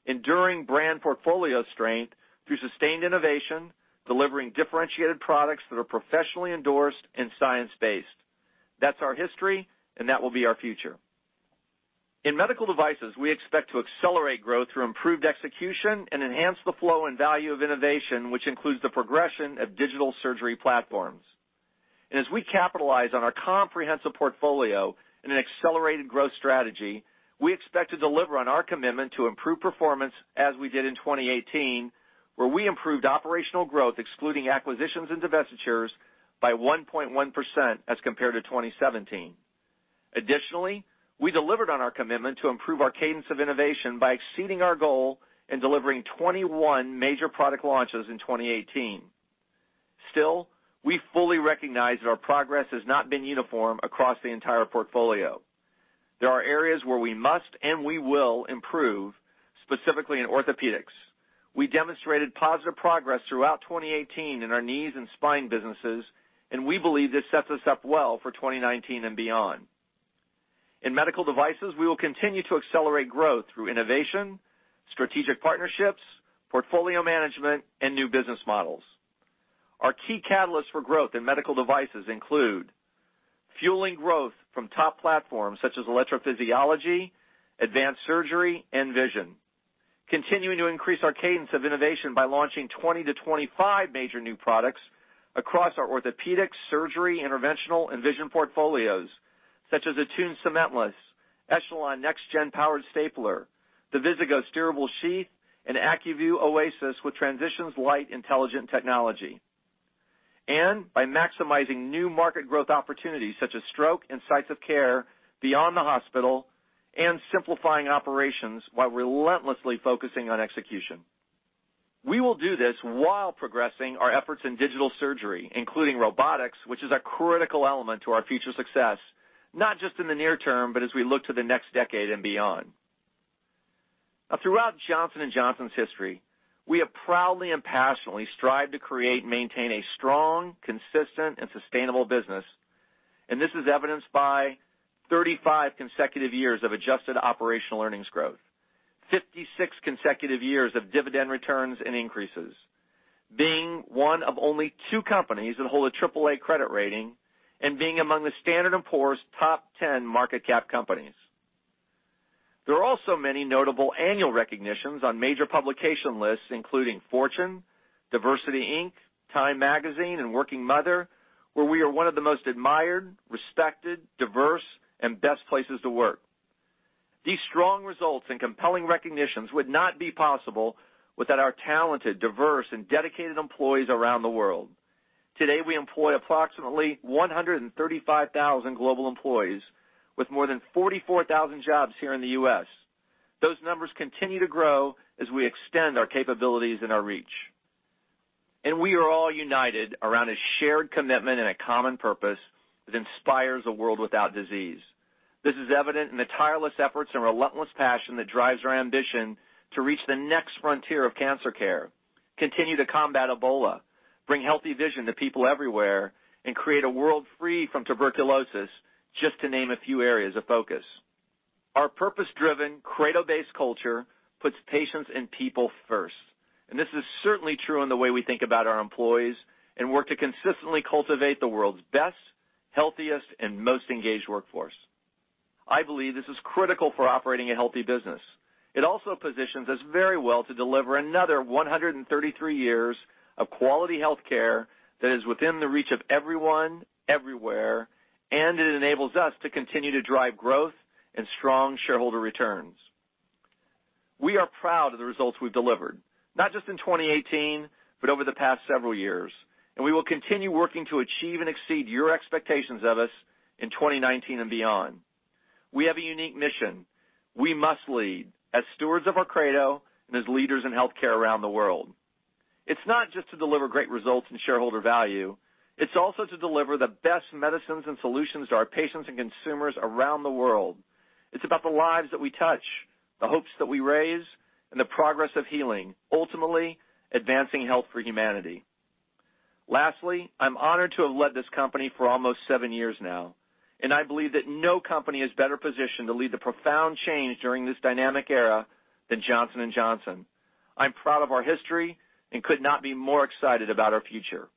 Enduring brand portfolio strength through sustained innovation, delivering differentiated products that are professionally endorsed and science-based. That's our history, and that will be our future. In medical devices, we expect to accelerate growth through improved execution and enhance the flow and value of innovation, which includes the progression of digital surgery platforms. As we capitalize on our comprehensive portfolio in an accelerated growth strategy, we expect to deliver on our commitment to improve performance as we did in 2018, where we improved operational growth, excluding acquisitions and divestitures by 1.1% as compared to 2017. Additionally, we delivered on our commitment to improve our cadence of innovation by exceeding our goal and delivering 21 major product launches in 2018. Still, we fully recognize that our progress has not been uniform across the entire portfolio. There are areas where we must, and we will improve, specifically in orthopedics. We demonstrated positive progress throughout 2018 in our knees and spine businesses, and we believe this sets us up well for 2019 and beyond. In medical devices, we will continue to accelerate growth through innovation, strategic partnerships, portfolio management, and new business models. Our key catalysts for growth in medical devices include fueling growth from top platforms such as electrophysiology, advanced surgery, and vision. Continuing to increase our cadence of innovation by launching 20-25 major new products across our orthopedics, surgery, interventional, and vision portfolios, such as ATTUNE Cementless, ECHELON FLEX Powered Stapler, the VIZIGO steerable sheath, and ACUVUE OASYS with Transitions Light Intelligent Technology. By maximizing new market growth opportunities such as stroke and sites of care beyond the hospital, and simplifying operations while relentlessly focusing on execution. We will do this while progressing our efforts in digital surgery, including robotics, which is a critical element to our future success, not just in the near term, but as we look to the next decade and beyond. Throughout Johnson & Johnson's history, we have proudly and passionately strived to create and maintain a strong, consistent, and sustainable business. This is evidenced by 35 consecutive years of adjusted operational earnings growth. A 56 consecutive years of dividend returns and increases. Being one of only two companies that hold a AAA credit rating, and being among the Standard & Poor's top 10 market cap companies. There are also many notable annual recognitions on major publication lists, including Fortune, DiversityInc, Time, and Working Mother, where we are one of the most admired, respected, diverse, and best places to work. These strong results and compelling recognitions would not be possible without our talented, diverse, and dedicated employees around the world. Today, we employ approximately 135,000 global employees with more than 44,000 jobs here in the U.S. Those numbers continue to grow as we extend our capabilities and our reach. We are all united around a shared commitment and a common purpose that inspires a world without disease. This is evident in the tireless efforts and relentless passion that drives our ambition to reach the next frontier of cancer care, continue to combat Ebola, bring healthy vision to people everywhere, and create a world free from tuberculosis, just to name a few areas of focus. Our purpose-driven, Credo-based culture puts patients and people first, and this is certainly true in the way we think about our employees and work to consistently cultivate the world's best, healthiest, and most engaged workforce. I believe this is critical for operating a healthy business. It also positions us very well to deliver another 133 years of quality healthcare that is within the reach of everyone, everywhere, and it enables us to continue to drive growth and strong shareholder returns. We are proud of the results we've delivered, not just in 2018, but over the past several years. We will continue working to achieve and exceed your expectations of us in 2019 and beyond. We have a unique mission. We must lead as stewards of our Credo and as leaders in healthcare around the world. It's not just to deliver great results and shareholder value, it's also to deliver the best medicines and solutions to our patients and consumers around the world. It's about the lives that we touch, the hopes that we raise, and the progress of healing, ultimately advancing health for humanity. Lastly, I'm honored to have led this company for almost seven years now, and I believe that no company is better positioned to lead the profound change during this dynamic era than Johnson & Johnson. I'm proud of our history and could not be more excited about our future.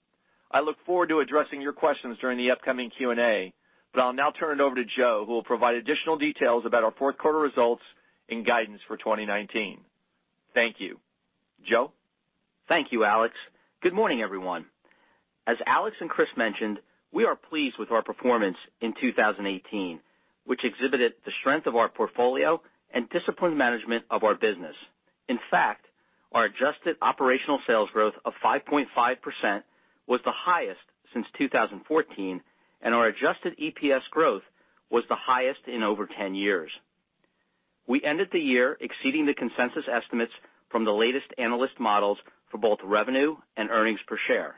I look forward to addressing your questions during the upcoming Q&A, but I'll now turn it over to Joe, who will provide additional details about our fourth quarter results and guidance for 2019. Thank you. Joe? Thank you, Alex. Good morning, everyone. As Alex and Chris mentioned, we are pleased with our performance in 2018, which exhibited the strength of our portfolio and disciplined management of our business. In fact, our adjusted operational sales growth of 5.5% was the highest since 2014, and our adjusted EPS growth was the highest in over 10 years. We ended the year exceeding the consensus estimates from the latest analyst models for both revenue and earnings per share.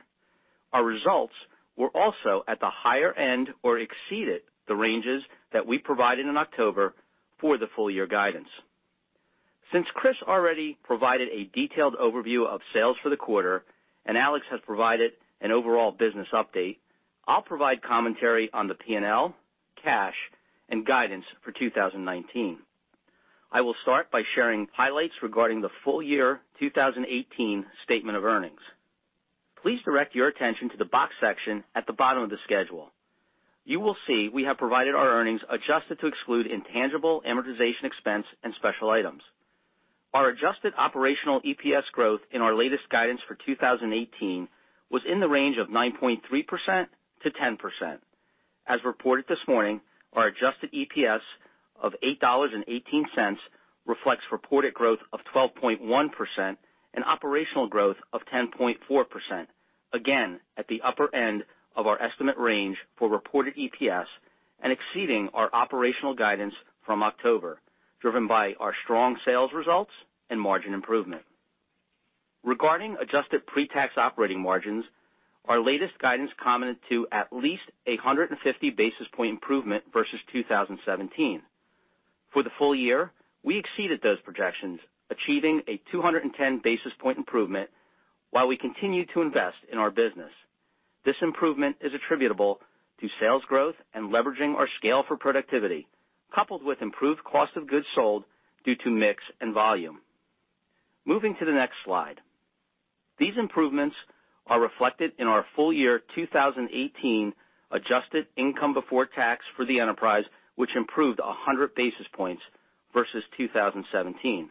Our results were also at the higher end or exceeded the ranges that we provided in October for the full year guidance. Since Chris already provided a detailed overview of sales for the quarter, and Alex has provided an overall business update, I'll provide commentary on the P&L and Cash, and guidance for 2019. I will start by sharing highlights regarding the full year 2018 statement of earnings. Please direct your attention to the box section at the bottom of the schedule. You will see we have provided our earnings adjusted to exclude intangible amortization expense and special items. Our adjusted operational EPS growth in our latest guidance for 2018 was in the range of 9.3%-10%. As reported this morning, our adjusted EPS of $8.18 reflects reported growth of 12.1% and operational growth of 10.4%, again, at the upper end of our estimate range for reported EPS and exceeding our operational guidance from October, driven by our strong sales results and margin improvement. Regarding adjusted pre-tax operating margins, our latest guidance commented to at least 150 basis point improvement versus 2017. For the full year, we exceeded those projections, achieving a 210 basis point improvement while we continued to invest in our business. This improvement is attributable to sales growth and leveraging our scale for productivity, coupled with improved cost of goods sold due to mix and volume. Moving to the next slide. These improvements are reflected in our full year 2018 adjusted income before tax for the enterprise, which improved 100 basis points versus 2017.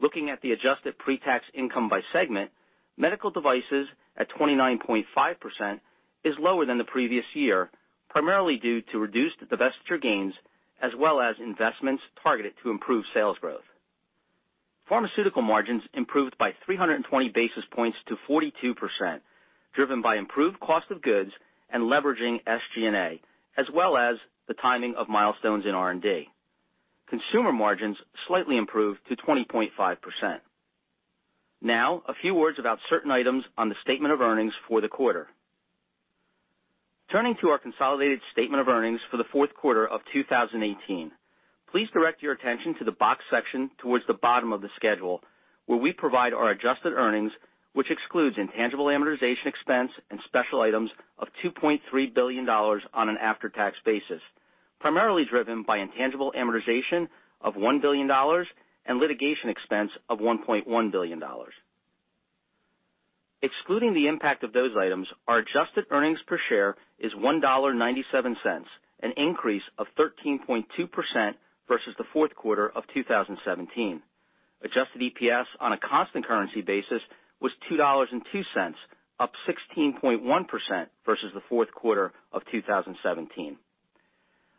Looking at the adjusted pre-tax income by segment, medical devices at 29.5% is lower than the previous year, primarily due to reduced divestiture gains as well as investments targeted to improve sales growth. Pharmaceutical margins improved by 320 basis points to 42%, driven by improved cost of goods and leveraging SG&A, as well as the timing of milestones in R&D. Consumer margins slightly improved to 20.5%. Now, a few words about certain items on the statement of earnings for the quarter. Turning to our consolidated statement of earnings for the fourth quarter of 2018. Please direct your attention to the box section towards the bottom of the schedule, where we provide our adjusted earnings, which excludes intangible amortization expense and special items of $2.3 billion on an after-tax basis, primarily driven by intangible amortization of $1 billion and litigation expense of $1.1 billion. Excluding the impact of those items, our adjusted earnings per share is $1.97, an increase of 13.2% versus the fourth quarter of 2017. Adjusted EPS on a constant currency basis was $2.02, up 16.1% versus the fourth quarter of 2017.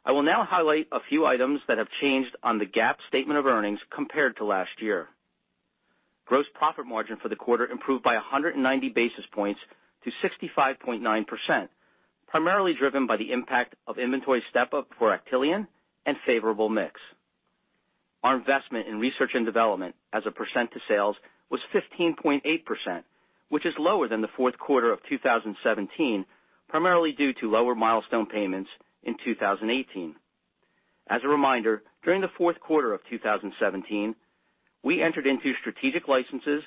I will now highlight a few items that have changed on the GAAP statement of earnings compared to last year. Gross profit margin for the quarter improved by 190 basis points to 65.9%, primarily driven by the impact of inventory step-up for Actelion and favorable mix. Our investment in research and development as a % to sales was 15.8%, which is lower than the fourth quarter of 2017, primarily due to lower milestone payments in 2018. As a reminder, during the fourth quarter of 2017, we entered into strategic licenses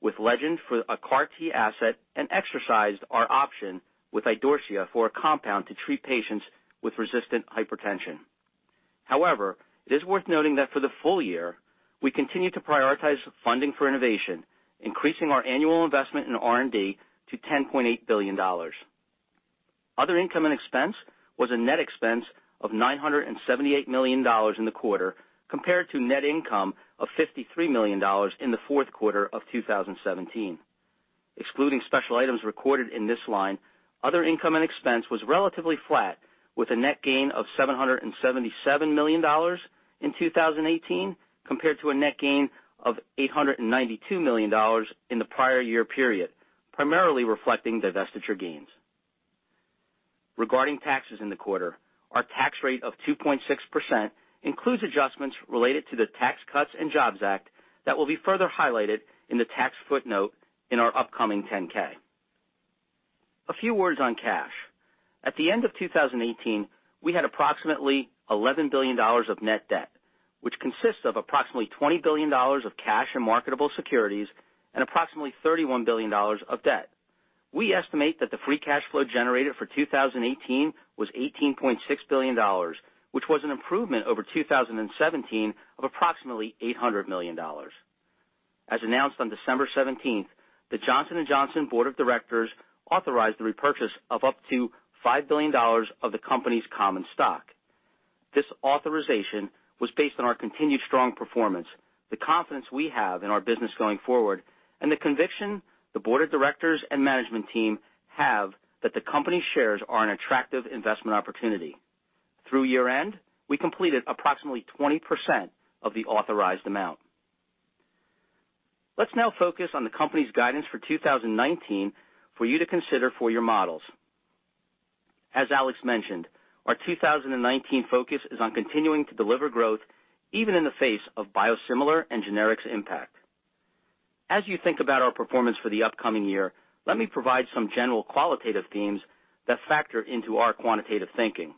with Legend for a CAR T asset and exercised our option with Idorsia for a compound to treat patients with resistant hypertension. However, it is worth noting that for the full year, we continued to prioritize funding for innovation, increasing our annual investment in R&D to $10.8 billion. Other income and expense was a net expense of $978 million in the quarter compared to net income of $53 million in the fourth quarter of 2017. Excluding special items recorded in this line, other income and expense was relatively flat with a net gain of $777 million in 2018 compared to a net gain of $892 million in the prior year period, primarily reflecting divestiture gains. Regarding taxes in the quarter, our tax rate of 2.6% includes adjustments related to the Tax Cuts and Jobs Act that will be further highlighted in the tax footnote in our upcoming 10-K. A few words on cash. At the end of 2018, we had approximately $11 billion of net debt, which consists of approximately $20 billion of cash and marketable securities and approximately $31 billion of debt. We estimate that the free cash flow generated for 2018 was $18.6 billion, which was an improvement over 2017 of approximately $800 million. As announced on December 17th, the Johnson & Johnson Board of Directors authorized the repurchase of up to $5 billion of the company's common stock. This authorization was based on our continued strong performance, the confidence we have in our business going forward, and the conviction the board of directors and management team have that the company's shares are an attractive investment opportunity. Through year-end, we completed approximately 20% of the authorized amount. Let's now focus on the company's guidance for 2019 for you to consider for your models. As Alex mentioned, our 2019 focus is on continuing to deliver growth even in the face of biosimilar and generics impact. As you think about our performance for the upcoming year, let me provide some general qualitative themes that factor into our quantitative thinking.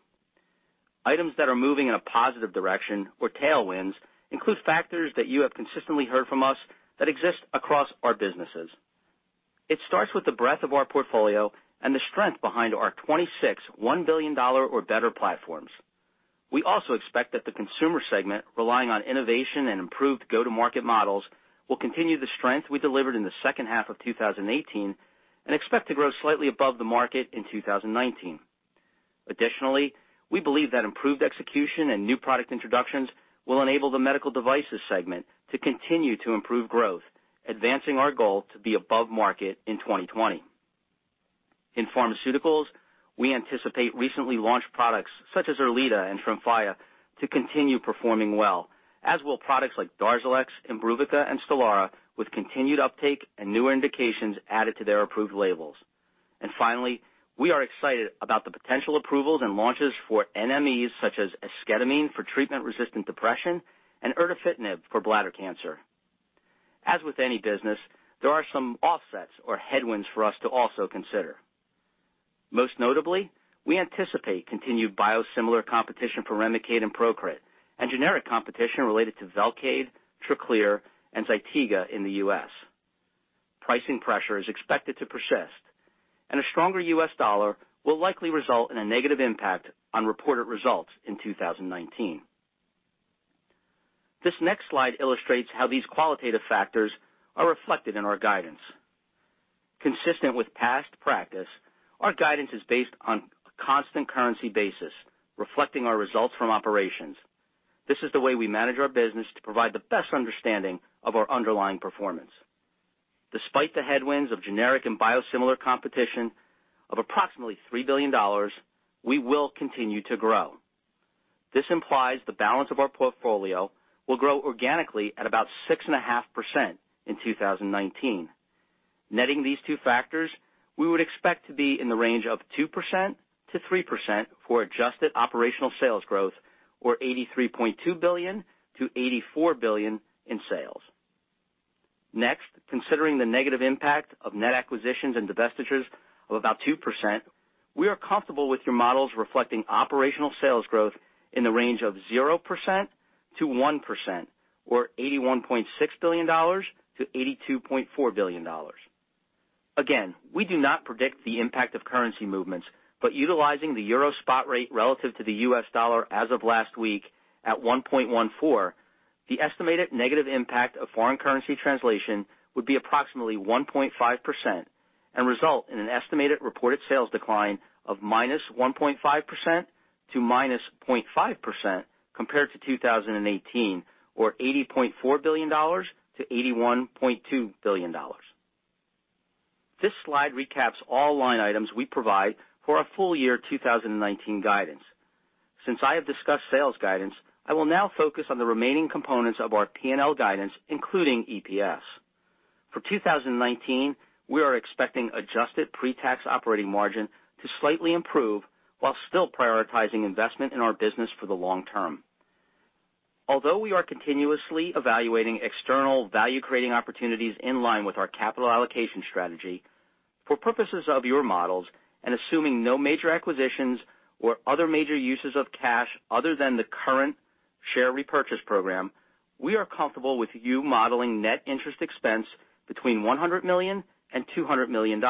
Items that are moving in a positive direction or tailwinds include factors that you have consistently heard from us that exist across our businesses. It starts with the breadth of our portfolio and the strength behind our 26, $1 billion or better platforms. We also expect that the consumer segment, relying on innovation and improved go-to-market models, will continue the strength we delivered in the second half of 2018, and expect to grow slightly above the market in 2019. Additionally, we believe that improved execution and new product introductions will enable the medical devices segment to continue to improve growth, advancing our goal to be above market in 2020. In pharmaceuticals, we anticipate recently launched products such as ERLEADA and TREMFYA to continue performing well, as will products like DARZALEX, IMBRUVICA, and STELARA with continued uptake and new indications added to their approved labels. Finally, we are excited about the potential approvals and launches for NMEs, such as esketamine for treatment-resistant depression and erdafitinib for bladder cancer. As with any business, there are some offsets or headwinds for us to also consider. Most notably, we anticipate continued biosimilar competition for REMICADE and PROCRIT, and generic competition related to VELCADE, TRACLEER, and ZYTIGA in the U.S.. Pricing pressure is expected to persist, and a stronger U.S. dollar will likely result in a negative impact on reported results in 2019. This next slide illustrates how these qualitative factors are reflected in our guidance. Consistent with past practice, our guidance is based on a constant currency basis, reflecting our results from operations. This is the way we manage our business to provide the best understanding of our underlying performance. Despite the headwinds of generic and biosimilar competition of approximately $3 billion, we will continue to grow. This implies the balance of our portfolio will grow organically at about 6.5% in 2019. Netting these two factors, we would expect to be in the range of 2%-3% for adjusted operational sales growth, or $83.2 billion-$84 billion in sales. Next, considering the negative impact of net acquisitions and divestitures of about 2%, we are comfortable with your models reflecting operational sales growth in the range of 0%-1%, or $81.6 billion-$82.4 billion. Again, we do not predict the impact of currency movements, but utilizing the euro spot rate relative to the U.S. dollar as of last week at 1.14%, the estimated negative impact of foreign currency translation would be approximately 1.5% and result in an estimated reported sales decline of -1.5% to -0.5% compared to 2018, or $80.4 billion-$81.2 billion. This slide recaps all line items we provide for our full year 2019 guidance. Since I have discussed sales guidance, I will now focus on the remaining components of our P&L guidance, including EPS. For 2019, we are expecting adjusted pre-tax operating margin to slightly improve while still prioritizing investment in our business for the long term. Although we are continuously evaluating external value-creating opportunities in line with our capital allocation strategy, for purposes of your models and assuming no major acquisitions or other major uses of cash other than the current share repurchase program, we are comfortable with you modeling net interest expense between $100 million and $200 million,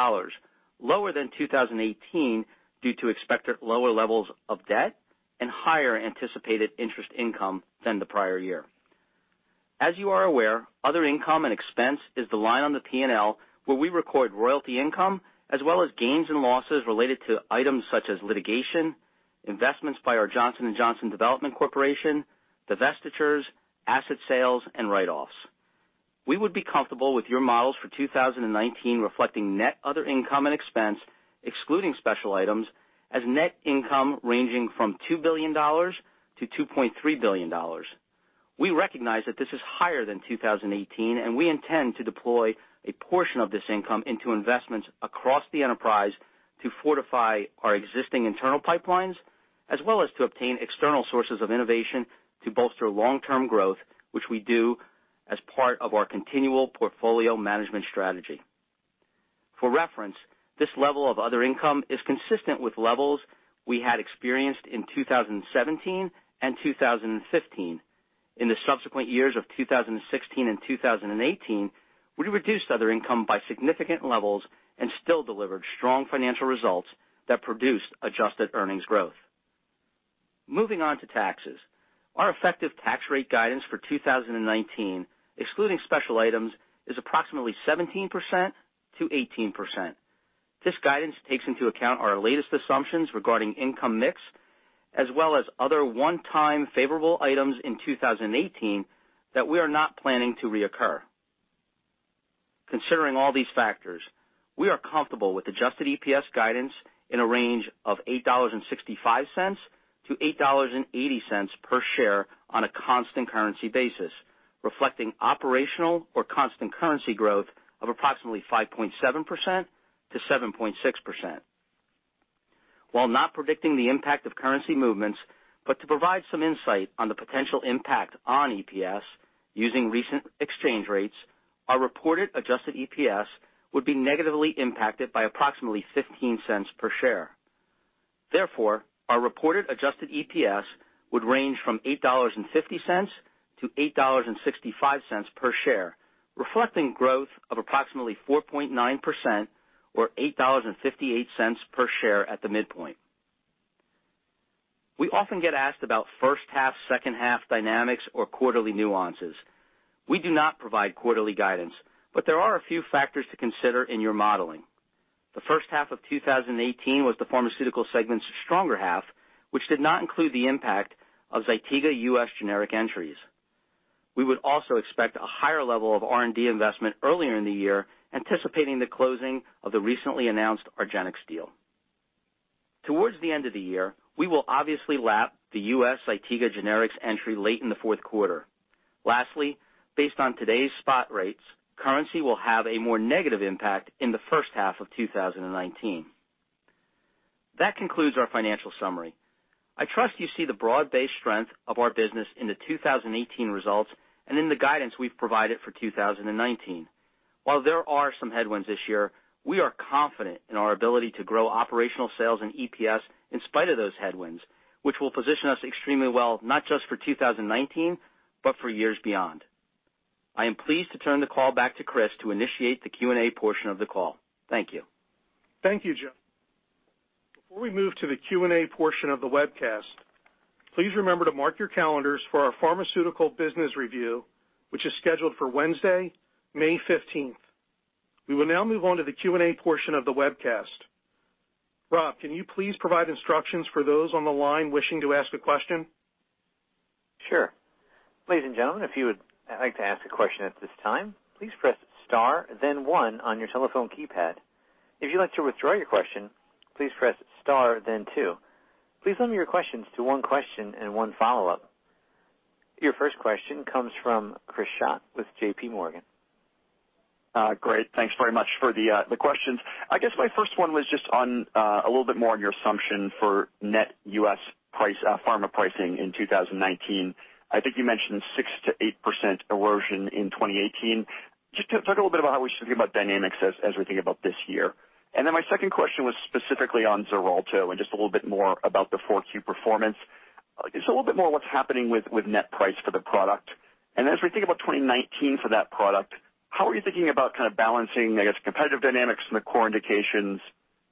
lower than 2018 due to expected lower levels of debt and higher anticipated interest income than the prior year. As you are aware, other income and expense is the line on the P&L where we record royalty income, as well as gains and losses related to items such as litigation, investments by our Johnson & Johnson Development Corporation, divestitures, asset sales, and write-offs. We would be comfortable with your models for 2019 reflecting net other income and expense, excluding special items, as net income ranging from $2 billion-$2.3 billion. We recognize that this is higher than 2018. We intend to deploy a portion of this income into investments across the enterprise to fortify our existing internal pipelines, as well as to obtain external sources of innovation to bolster long-term growth, which we do as part of our continual portfolio management strategy. For reference, this level of other income is consistent with levels we had experienced in 2017 and 2015. In the subsequent years of 2016 and 2018, we reduced other income by significant levels and still delivered strong financial results that produced adjusted earnings growth. Moving on to taxes. Our effective tax rate guidance for 2019, excluding special items, is approximately 17%-18%. This guidance takes into account our latest assumptions regarding income mix, as well as other one-time favorable items in 2018 that we are not planning to reoccur. Considering all these factors, we are comfortable with adjusted EPS guidance in a range of $8.65-$8.80 per share on a constant currency basis, reflecting operational or constant currency growth of approximately 5.7%-7.6%. While not predicting the impact of currency movements, but to provide some insight on the potential impact on EPS using recent exchange rates, our reported adjusted EPS would be negatively impacted by approximately $0.15 per share. Our reported adjusted EPS would range from $8.50-$8.65 per share, reflecting growth of approximately 4.9% or $8.58 per share at the midpoint. We often get asked about first half, second half dynamics or quarterly nuances. We do not provide quarterly guidance, but there are a few factors to consider in your modeling. The first half of 2018 was the pharmaceutical segment's stronger half, which did not include the impact of ZYTIGA U.S. generic entries. We would also expect a higher level of R&D investment earlier in the year, anticipating the closing of the recently announced argenx deal. Towards the end of the year, we will obviously lap the U.S. ZYTIGA generics entry late in the fourth quarter. Based on today's spot rates, currency will have a more negative impact in the first half of 2019. That concludes our financial summary. I trust you see the broad-based strength of our business in the 2018 results and in the guidance we've provided for 2019. While there are some headwinds this year, we are confident in our ability to grow operational sales and EPS in spite of those headwinds, which will position us extremely well, not just for 2019, but for years beyond. I am pleased to turn the call back to Chris to initiate the Q&A portion of the call. Thank you. Thank you, Joe. Before we move to the Q&A portion of the webcast, please remember to mark your calendars for our pharmaceutical business review, which is scheduled for Wednesday, May 15th. We will now move on to the Q&A portion of the webcast. Rob, can you please provide instructions for those on the line wishing to ask a question? Sure. Ladies and gentlemen, if you would like to ask a question at this time, please press star then one on your telephone keypad. If you'd like to withdraw your question, please press star then two. Please limit your questions to one question and one follow-up. Your first question comes from Chris Schott with JPMorgan. Great. Thanks very much for the questions. My first one was just a little bit more on your assumption for net U.S. pharma pricing in 2019. I think you mentioned 6%-8% erosion in 2018. Just talk a little bit about how we should think about dynamics as we think about this year? My second question was specifically on XARELTO and just a little bit more about the 4Q performance. Just a little bit more what's happening with net price for the product? As we think about 2019 for that product, how are you thinking about balancing, I guess, competitive dynamics from the core indications,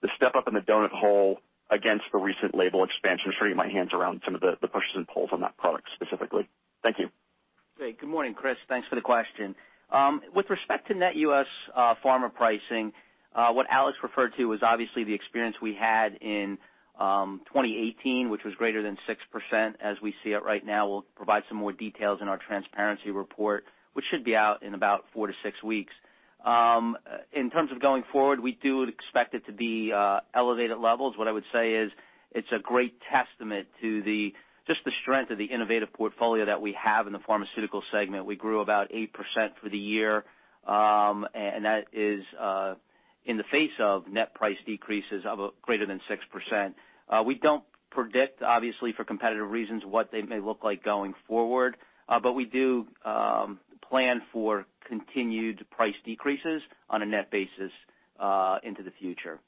the step-up in the donut hole against the recent label expansion? I'm sure you might hint around some of the pushes and pulls on that product specifically. Thank you. Great. Good morning, Chris. Thanks for the question. With respect to net U.S. pharma pricing, what Alex referred to was obviously the experience we had in 2018, which was greater than 6%. As we see it right now, we'll provide some more details in our transparency report, which should be out in about four to six weeks. In terms of going forward, we do expect it to be elevated levels. What I would say is it's a great testament to just the strength of the innovative portfolio that we have in the pharmaceutical segment. We grew about 8% for the year. That is in the face of net price decreases of greater than 6%. We don't predict, obviously, for competitive reasons what they may look like going forward, but we do plan for continued price decreases on a net basis into the future.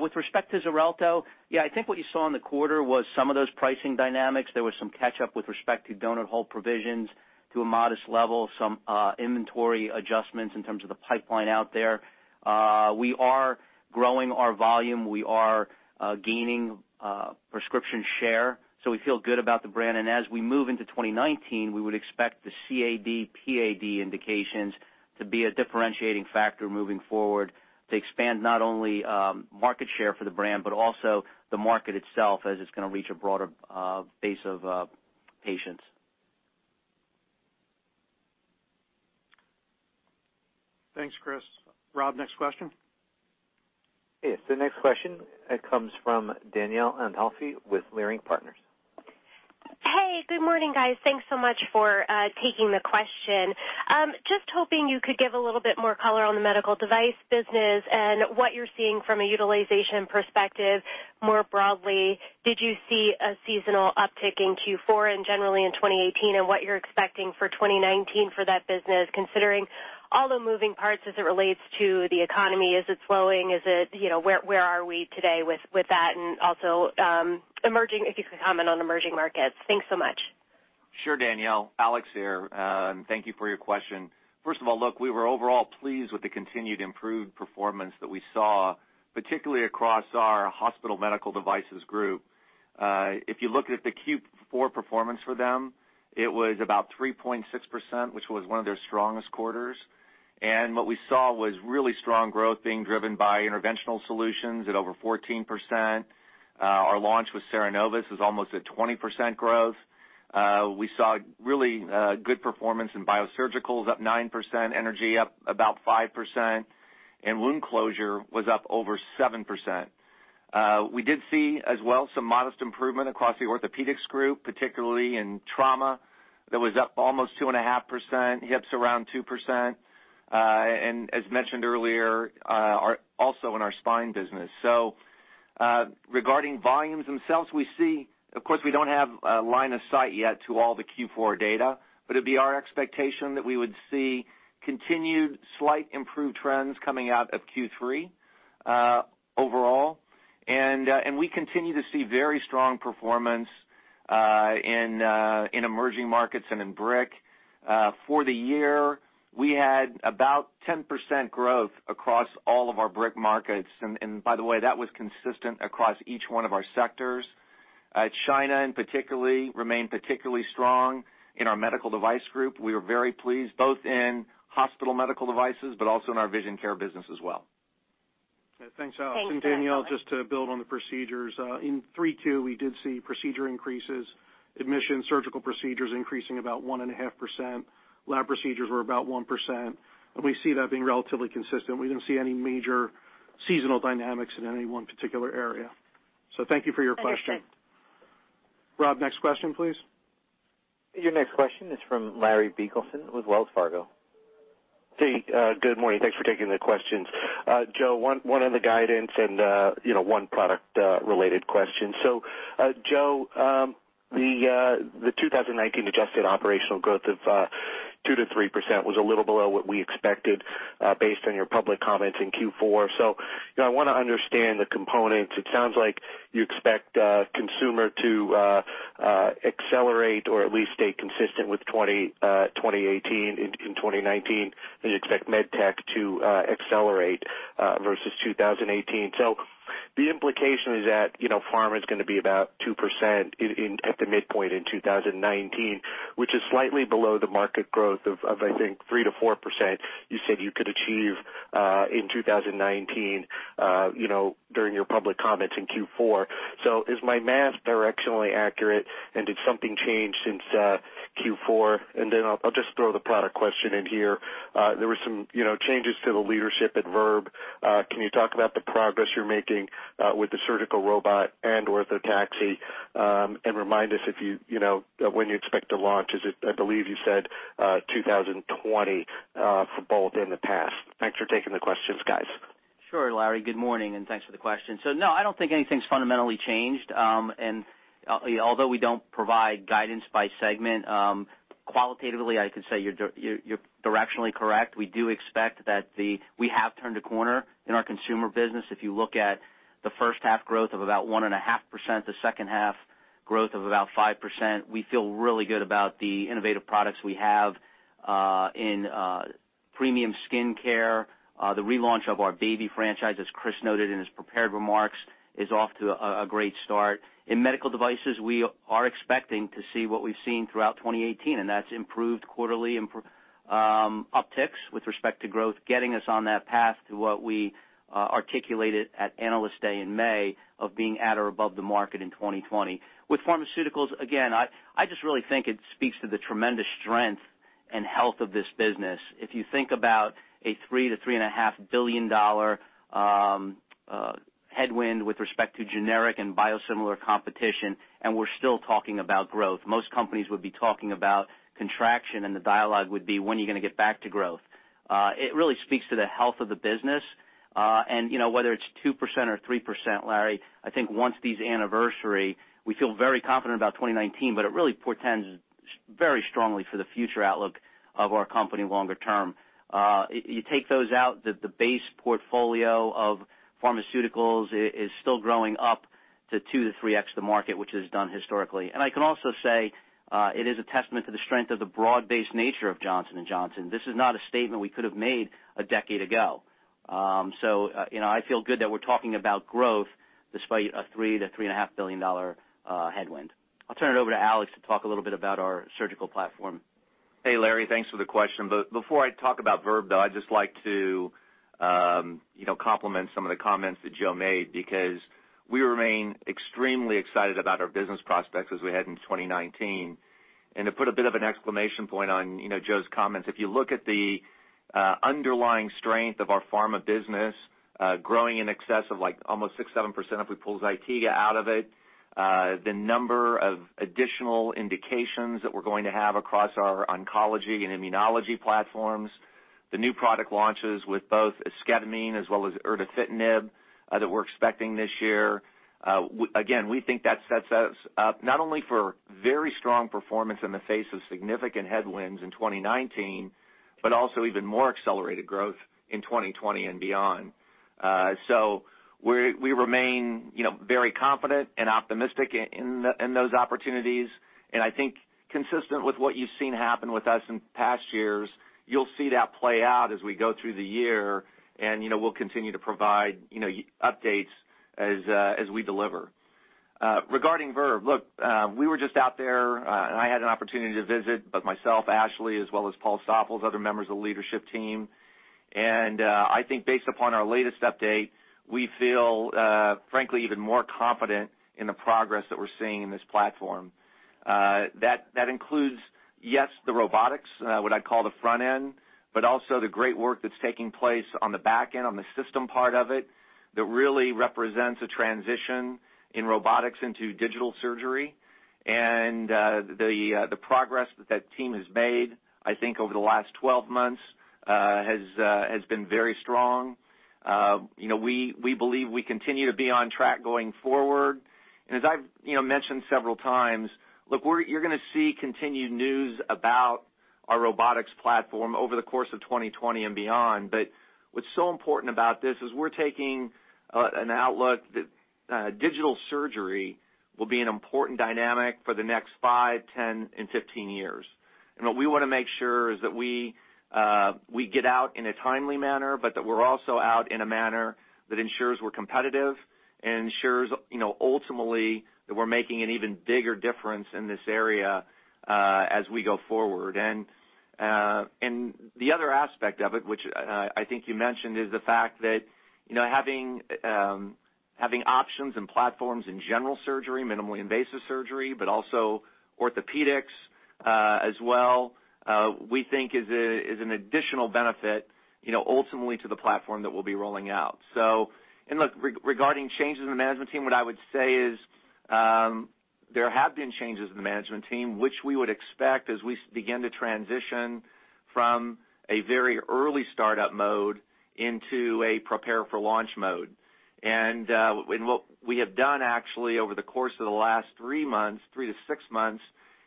With respect to XARELTO, yeah, I think what you saw in the quarter was some of those pricing dynamics. There was some catch up with respect to donut hole provisions to a modest level, some inventory adjustments in terms of the pipeline out there. We are growing our volume. We are gaining prescription share, so we feel good about the brand. As we move into 2019, we would expect the CAD and PAD indications to be a differentiating factor moving forward to expand not only market share for the brand, but also the market itself as it's going to reach a broader base of patients. Thanks, Chris. Rob, next question. Yes, the next question comes from Danielle Antalffy with Leerink Partners. Hey, good morning, guys. Thanks so much for taking the question. Just hoping you could give a little bit more color on the medical device business and what you're seeing from a utilization perspective more broadly. Did you see a seasonal uptick in Q4 and generally in 2018, and what you're expecting for 2019 for that business, considering all the moving parts as it relates to the economy? Is it slowing? Where are we today with that? Also, if you could comment on emerging markets. Thanks so much. Sure, Danielle. Alex here. Thank you for your question. First of all, look, we were overall pleased with the continued improved performance that we saw, particularly across our hospital medical devices group. If you look at the Q4 performance for them, it was about 3.6%, which was one of their strongest quarters. What we saw was really strong growth being driven by interventional solutions at over 14%. Our launch with CERENOVUS is almost at 20% growth. We saw really good performance in biosurgicals, up 9%, energy up about 5%, wound closure was up over 7%. We did see as well some modest improvement across the orthopedics group, particularly in trauma. That was up almost 2.5%, hips around 2%, as mentioned earlier, also in our spine business. Regarding volumes themselves, of course, we don't have a line of sight yet to all the Q4 data, but it'd be our expectation that we would see continued slight improved trends coming out of Q3 overall. We continue to see very strong performance in emerging markets and in BRIC. For the year, we had about 10% growth across all of our BRIC markets. By the way, that was consistent across each one of our sectors. China remained particularly strong in our medical device group. We were very pleased, both in hospital medical devices, but also in our vision care business as well. Thanks, Alex. Danielle, just to build on the procedures. In 3Q, we did see procedure increases, admission surgical procedures increasing about 1.5%. Lab procedures were about 1%. We see that being relatively consistent. We didn't see any major seasonal dynamics in any one particular area. Thank you for your question. Understood. Rob, next question, please. Your next question is from Larry Biegelsen with Wells Fargo. Hey, good morning. Thanks for taking the questions. Joe, one on the guidance and one product related question. Joe, the 2019 adjusted operational growth of 2%-3% was a little below what we expected based on your public comments in Q4. I want to understand the components. It sounds like you expect consumer to accelerate or at least stay consistent with 2018 in 2019, and you expect MedTech to accelerate versus 2018. The implication is that pharma is going to be about 2% at the midpoint in 2019, which is slightly below the market growth of, I think, 3%-4% you said you could achieve in 2019, you know, during your public comments in Q4. Is my math directionally accurate, and did something change since Q4? I'll just throw the product question in here. There were some changes to the leadership at Verb. Can you talk about the progress you're making with the surgical robot and Orthotaxy, and remind us, you know, when you expect to launch? I believe you said 2020 for both in the past. Thanks for taking the questions, guys. Sure, Larry. Good morning, and thanks for the question. No, I don't think anything's fundamentally changed. Although we don't provide guidance by segment, qualitatively, I can say you're directionally correct. We do expect that we have turned a corner in our consumer business. If you look at the first half growth of about 1.5%, the second half growth of about 5%, we feel really good about the innovative products we have in premium skin care. The relaunch of our baby franchise, as Chris noted in his prepared remarks, is off to a great start. In medical devices, we are expecting to see what we've seen throughout 2018, and that's improved quarterly upticks with respect to growth, getting us on that path to what we articulated at Analyst Day in May of being at or above the market in 2020. With pharmaceuticals, again, I just really think it speaks to the tremendous strength and health of this business. If you think about a $3 billion-$3.5 billion headwind with respect to generic and biosimilar competition, we're still talking about growth. Most companies would be talking about contraction, and the dialogue would be, when are you going to get back to growth? It really speaks to the health of the business. Whether it's 2% or 3%, Larry, I think once these anniversary, we feel very confident about 2019, but it really portends very strongly for the future outlook of our company longer term. You take those out, the base portfolio of pharmaceuticals is still growing up to 2x-3x the market, which it has done historically. I can also say it is a testament to the strength of the broad-based nature of Johnson & Johnson. This is not a statement we could have made a decade ago. I feel good that we're talking about growth despite a $3 billion-$3.5 billion headwind. I'll turn it over to Alex to talk a little bit about our surgical platform. Hey, Larry, thanks for the question. Before I talk about Verb, though, I'd just like to compliment some of the comments that Joe made, because we remain extremely excited about our business prospects as we head into 2019. To put a bit of an exclamation point on Joe's comments, if you look at the underlying strength of our pharma business growing in excess of almost 6%, 7% if we pull ZYTIGA out of it, the number of additional indications that we're going to have across our oncology and immunology platforms, the new product launches with both esketamine as well as erdafitinib that we're expecting this year. We think that sets us up not only for very strong performance in the face of significant headwinds in 2019, but also even more accelerated growth in 2020 and beyond. We remain very confident and optimistic in those opportunities. I think consistent with what you've seen happen with us in past years, you'll see that play out as we go through the year, and we'll continue to provide updates as we deliver. Regarding Verb, look, we were just out there. I had an opportunity to visit, both myself, Ashley, as well as Paul Stoffels, other members of the leadership team. I think based upon our latest update, we feel, frankly, even more confident in the progress that we're seeing in this platform. That includes, yes, the robotics, what I call the front end, but also the great work that's taking place on the back end, on the system part of it, that really represents a transition in robotics into digital surgery. The progress that team has made, I think over the last 12 months, has been very strong. We believe we continue to be on track going forward. As I've mentioned several times, look, you're going to see continued news about our robotics platform over the course of 2020 and beyond. What's so important about this is we're taking an outlook that digital surgery will be an important dynamic for the next five, 10, and 15 years. What we want to make sure is that we get out in a timely manner, but that we're also out in a manner that ensures we're competitive and ensures, ultimately, that we're making an even bigger difference in this area as we go forward. The other aspect of it, which I think you mentioned, is the fact that having options and platforms in general surgery, minimally invasive surgery, but also orthopedics as well, we think is an additional benefit, ultimately to the platform that we'll be rolling out. Look, regarding changes in the management team, what I would say is, there have been changes in the management team, which we would expect as we begin to transition from a very early startup mode into a prepare for launch mode. What we have done actually over the course of the last three months, three to six months,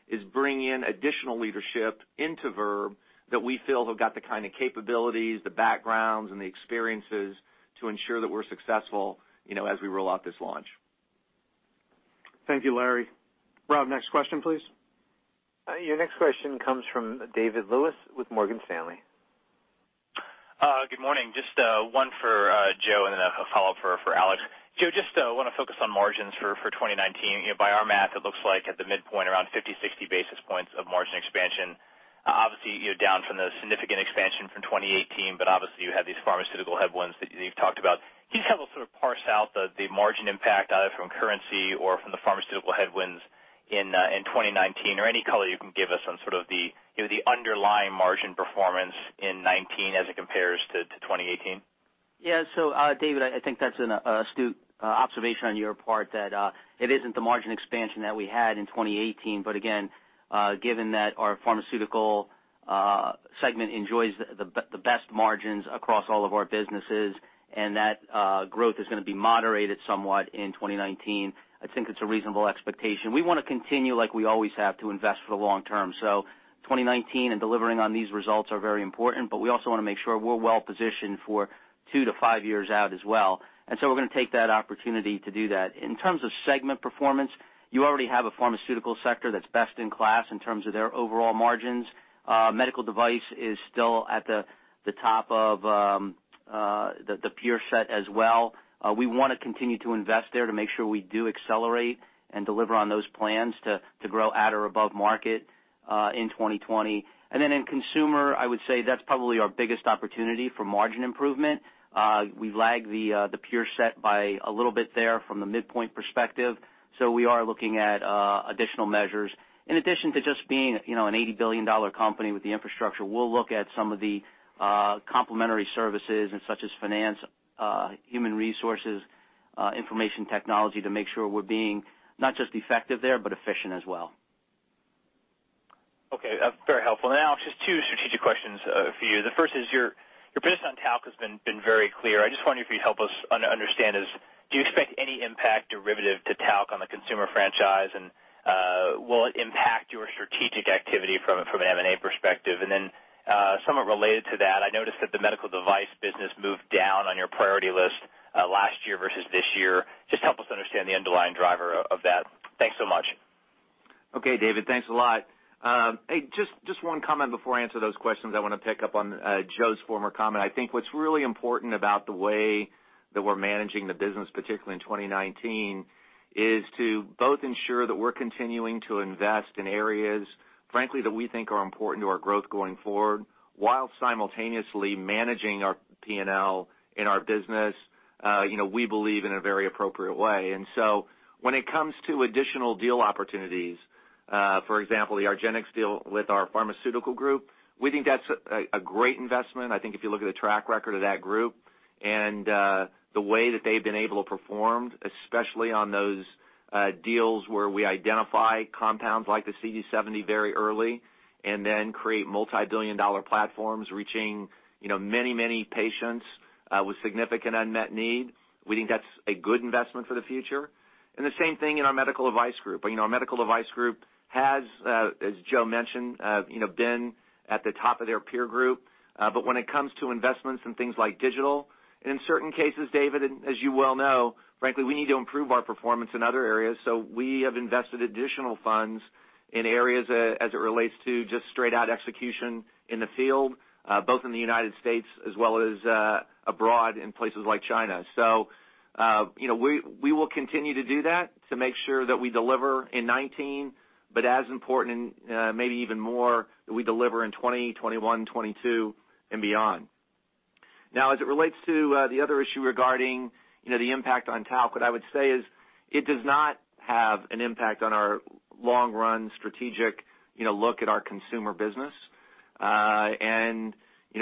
is bring in additional leadership into Verb that we feel have got the kind of capabilities, the backgrounds, and the experiences to ensure that we're successful as we roll out this launch. Thank you, Larry. Rob, next question, please. Your next question comes from David Lewis with Morgan Stanley. Good morning. Just one for Joe, and then a follow-up for Alex. Joe, just want to focus on margins for 2019. By our math, it looks like at the midpoint around 50, 60 basis points of margin expansion. Obviously, down from the significant expansion from 2018, you had these pharmaceutical headwinds that you've talked about. Can you kind of sort of parse out the margin impact, either from currency or from the pharmaceutical headwinds in 2019? Any color you can give us on sort of the underlying margin performance in 2019 as it compares to 2018? David, I think that's an astute observation on your part that it isn't the margin expansion that we had in 2018. Again, given that our pharmaceutical segment enjoys the best margins across all of our businesses, and that growth is going to be moderated somewhat in 2019, I think it's a reasonable expectation. We want to continue, like we always have, to invest for the long term. A 2019 and delivering on these results are very important, but we also want to make sure we're well positioned for two to five years out as well. We're going to take that opportunity to do that. In terms of segment performance, you already have a pharmaceutical sector that's best in class in terms of their overall margins. Medical device is still at the top of the peer set as well. We want to continue to invest there to make sure we do accelerate and deliver on those plans to grow at or above market in 2020. In consumer, I would say that's probably our biggest opportunity for margin improvement. We lag the peer set by a little bit there from the midpoint perspective. We are looking at additional measures. In addition to just being an $80 billion company with the infrastructure, we'll look at some of the complementary services such as finance, human resources, information technology to make sure we're being not just effective there, but efficient as well. Okay. Very helpful. Alex, just two strategic questions for you. The first is your business on talc has been very clear. I just wonder if you'd help us understand, do you expect any impact derivative to talc on the consumer franchise, and will it impact your strategic activity from an M&A perspective? Somewhat related to that, I noticed that the medical device business moved down on your priority list last year versus this year. Just help us understand the underlying driver of that. Thanks so much. Okay, David. Thanks a lot. Hey, just one comment before I answer those questions. I want to pick up on Joe's former comment. I think what's really important about the way that we're managing the business, particularly in 2019, is to both ensure that we're continuing to invest in areas, frankly, that we think are important to our growth going forward, while simultaneously managing our P&L and our business, you know, we believe in a very appropriate way. When it comes to additional deal opportunities, for example, the argenx deal with our pharmaceutical group, we think that's a great investment. I think if you look at the track record of that group and the way that they've been able to perform, especially on those deals where we identify compounds like the CD70 very early and then create multibillion-dollar platforms reaching many patients with significant unmet need, we think that's a good investment for the future. The same thing in our medical device group. Our medical device group has, as Joe mentioned, been at the top of their peer group. When it comes to investments in things like digital, in certain cases, David, as you well know, frankly, we need to improve our performance in other areas. We have invested additional funds in areas as it relates to just straight out execution in the field, both in the United States. as well as abroad in places like China. We will continue to do that to make sure that we deliver in 2019, but as important and maybe even more, that we deliver in 2020, 2021, 2022, and beyond. Now, as it relates to the other issue regarding the impact on talc, what I would say is it does not have an impact on our long-run strategic, you know, look at our consumer business.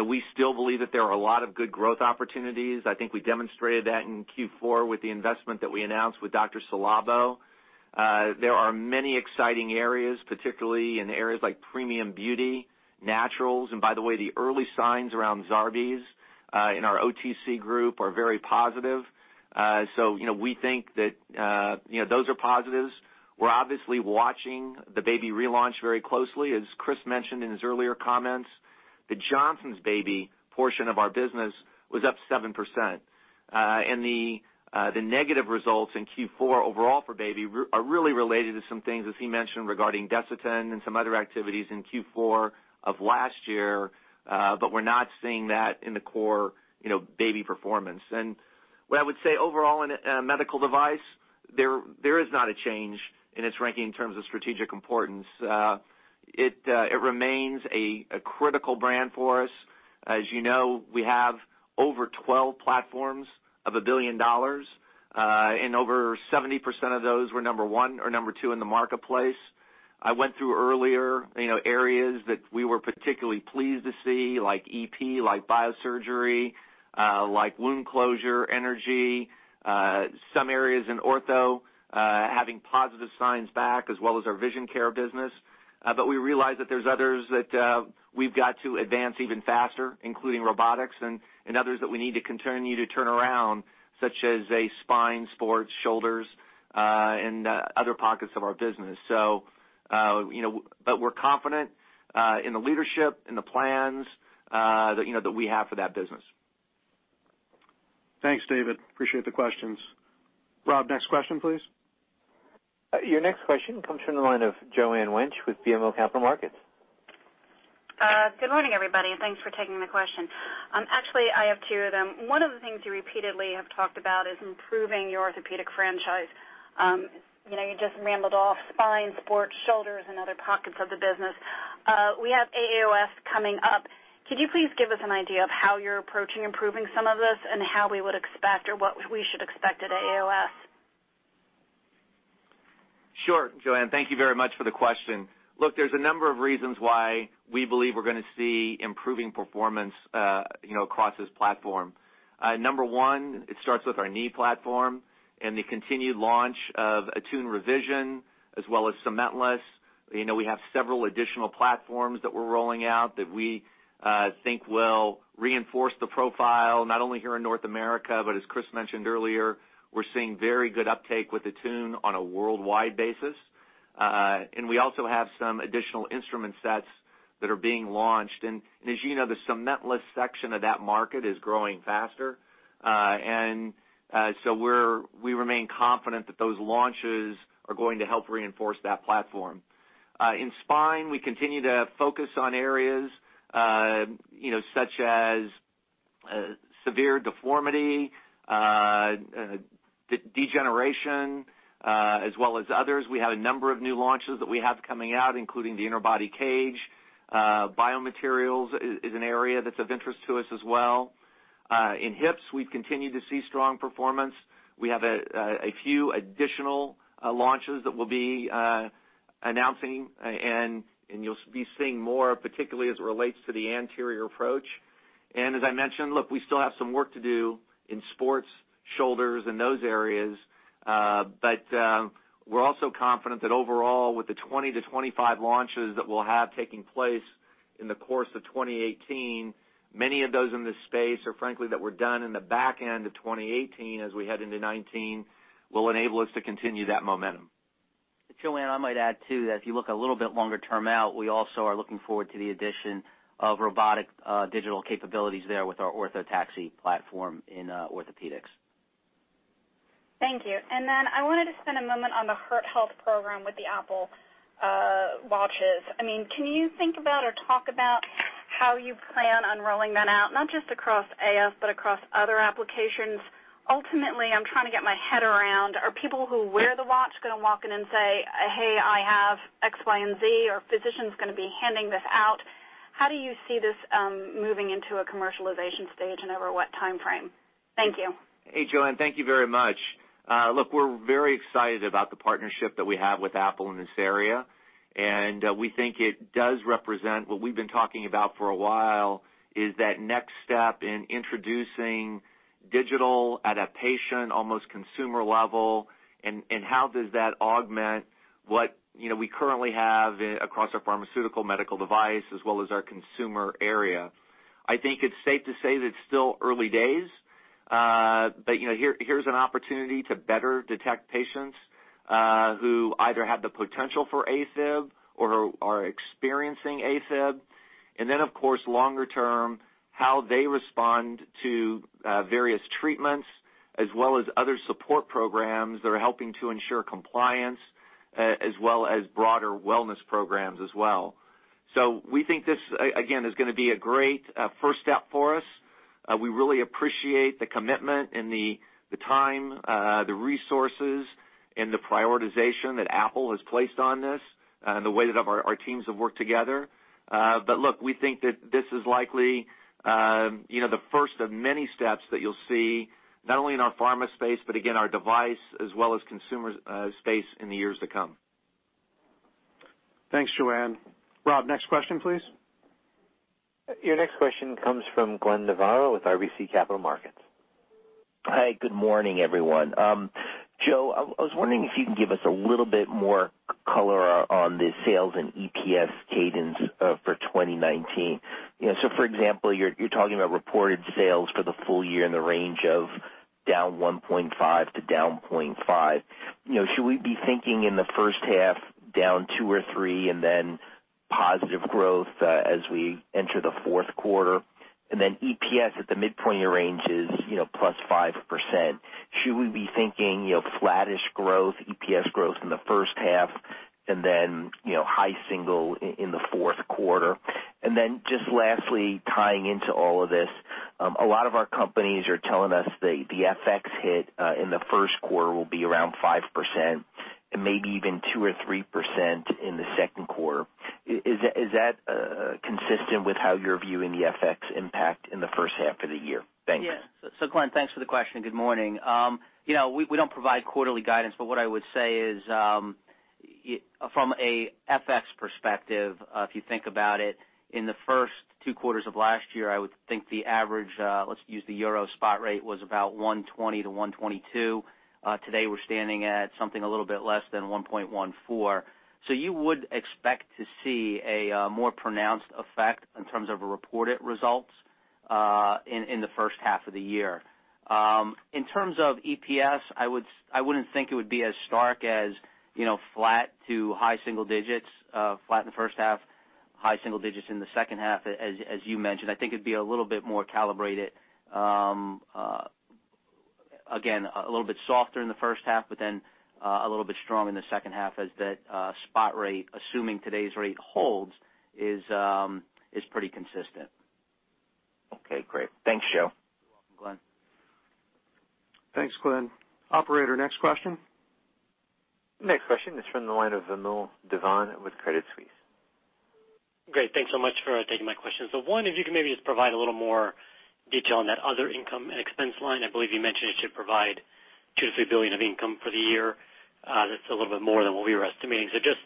We still believe that there are a lot of good growth opportunities. I think we demonstrated that in Q4 with the investment that we announced with Dr.Ci:Labo. There are many exciting areas, particularly in areas like premium beauty, naturals, and by the way, the early signs around Zarbee's in our OTC Group are very positive. We think that those are positives. We're obviously watching the Baby relaunch very closely. As Chris mentioned in his earlier comments, the Johnson's Baby portion of our business was up 7%. The negative results in Q4 overall for Baby are really related to some things, as he mentioned, regarding DESITIN and some other activities in Q4 of last year. We're not seeing that in the core Baby performance. What I would say, overall in medical device, there is not a change in its ranking in terms of strategic importance. It remains a critical brand for us. As you know, we have over 12 platforms of a billion dollars, and over 70% of those were number one or number two in the marketplace. I went through earlier, areas that we were particularly pleased to see, like EP, like biosurgery, like wound closure, energy, some areas in ortho, having positive signs back, as well as our vision care business. We realize that there's others that we've got to advance even faster, including robotics and others that we need to continue to turn around, such as spine, sports, shoulders, and other pockets of our business. We're confident in the leadership, in the plans that we have for that business. Thanks, David. Appreciate the questions. Rob, next question, please. Your next question comes from the line of Joanne Wuensch with BMO Capital Markets. Good morning, everybody, and thanks for taking the question. Actually, I have two of them. One of the things you repeatedly have talked about is improving your orthopedic franchise. You just rambled off spine, sports, shoulders, and other pockets of the business. We have AAOS coming up. Could you please give us an idea of how you're approaching improving some of this, and how we would expect or what we should expect at AAOS? Sure, Joanne. Thank you very much for the question. Look, there's a number of reasons why we believe we're going to see improving performance across this platform. Number one, it starts with our knee platform and the continued launch of ATTUNE revision as well as cement-less. We have several additional platforms that we're rolling out that we think will reinforce the profile, not only here in North America, but as Chris mentioned earlier, we're seeing very good uptake with ATTUNE on a worldwide basis. We also have some additional instrument sets that are being launched. As you know, the cement-less section of that market is growing faster. We remain confident that those launches are going to help reinforce that platform. In spine, we continue to focus on areas, you know, such as severe deformity, degeneration, as well as others. We have a number of new launches that we have coming out, including the Interbody Cage. Biomaterials is an area that's of interest to us as well. In hips, we've continued to see strong performance. We have a few additional launches that we'll be announcing, and you'll be seeing more, particularly as it relates to the anterior approach. As I mentioned, look, we still have some work to do in sports, shoulders, and those areas. We're also confident that overall, with the 20-25 launches that we'll have taking place in the course of 2018, many of those in this space are frankly that were done in the back end of 2018 as we head into 2019, will enable us to continue that momentum. Joanne, I might add, too, that if you look a little bit longer term out, we also are looking forward to the addition of robotic digital capabilities there with our Orthotaxy platform in orthopedics. Thank you. I wanted to spend a moment on the Heart Health Program with the Apple Watches. Can you think about or talk about how you plan on rolling that out, not just across AFib, but across other applications? Ultimately, I'm trying to get my head around, are people who wear the watch going to walk in and say: Hey, I have X, Y, and Z, or are physicians going to be handing this out? How do you see this moving into a commercialization stage and over what timeframe? Thank you. Hey, Joanne. Thank you very much. Look, we're very excited about the partnership that we have with Apple in this area, and we think it does represent what we've been talking about for a while, is that next step in introducing digital at a patient, almost consumer level, and how does that augment what we currently have across our pharmaceutical medical device as well as our consumer area. I think it's safe to say that it's still early days, but here's an opportunity to better detect patients who either have the potential for AFib or are experiencing AFib. Then, of course, longer term, how they respond to various treatments as well as other support programs that are helping to ensure compliance, as well as broader wellness programs as well. We think this, again, is going to be a great first step for us. We really appreciate the commitment and the time, the resources, and the prioritization that Apple has placed on this, and the way that our teams have worked together. Look, we think that this is likely the first of many steps that you'll see, not only in our pharma space, but again, our device as well as consumer space in the years to come. Thanks, Joanne. Rob, next question, please. Your next question comes from Glenn Novarro with RBC Capital Markets. Hi, good morning, everyone. Joe, I was wondering if you can give us a little bit more color on the sales and EPS cadence for 2019. For example, you're talking about reported sales for the full year in the range of down 1.5% to down 0.5%. Should we be thinking in the first half down 2% or 3% and then positive growth as we enter the fourth quarter? EPS at the midpoint of your range is +5%. Should we be thinking flattish growth, EPS growth in the first half and then high single in the fourth quarter? Just lastly, tying into all of this, a lot of our companies are telling us the FX hit in the first quarter will be around 5% and maybe even 2% or 3% in the second quarter. Is that consistent with how you're viewing the FX impact in the first half of the year? Thanks. Glenn, thanks for the question. Good morning. We don't provide quarterly guidance, but what I would say is from an FX perspective, if you think about it, in the first two quarters of last year, I would think the average, let's use the euro spot rate, was about 120-122. Today, we're standing at something a little bit less than 1.14%. You would expect to see a more pronounced effect in terms of reported results in the first half of the year. In terms of EPS, I wouldn't think it would be as stark as flat to high single digits, flat in the first half, high single digits in the second half, as you mentioned. I think it'd be a little bit more calibrated. Again, a little bit softer in the first half, a little bit strong in the second half as that spot rate, assuming today's rate holds, is pretty consistent. Okay, great. Thanks, Joe. You're welcome, Glenn. Thanks, Glenn. Operator, next question. Next question is from the line of Vamil Divan with Credit Suisse. Great. Thanks so much for taking my question. One, if you can maybe just provide a little more detail on that other income and expense line. I believe you mentioned it should provide $2 billion-$3 billion of income for the year. That's a little bit more than what we were estimating. Just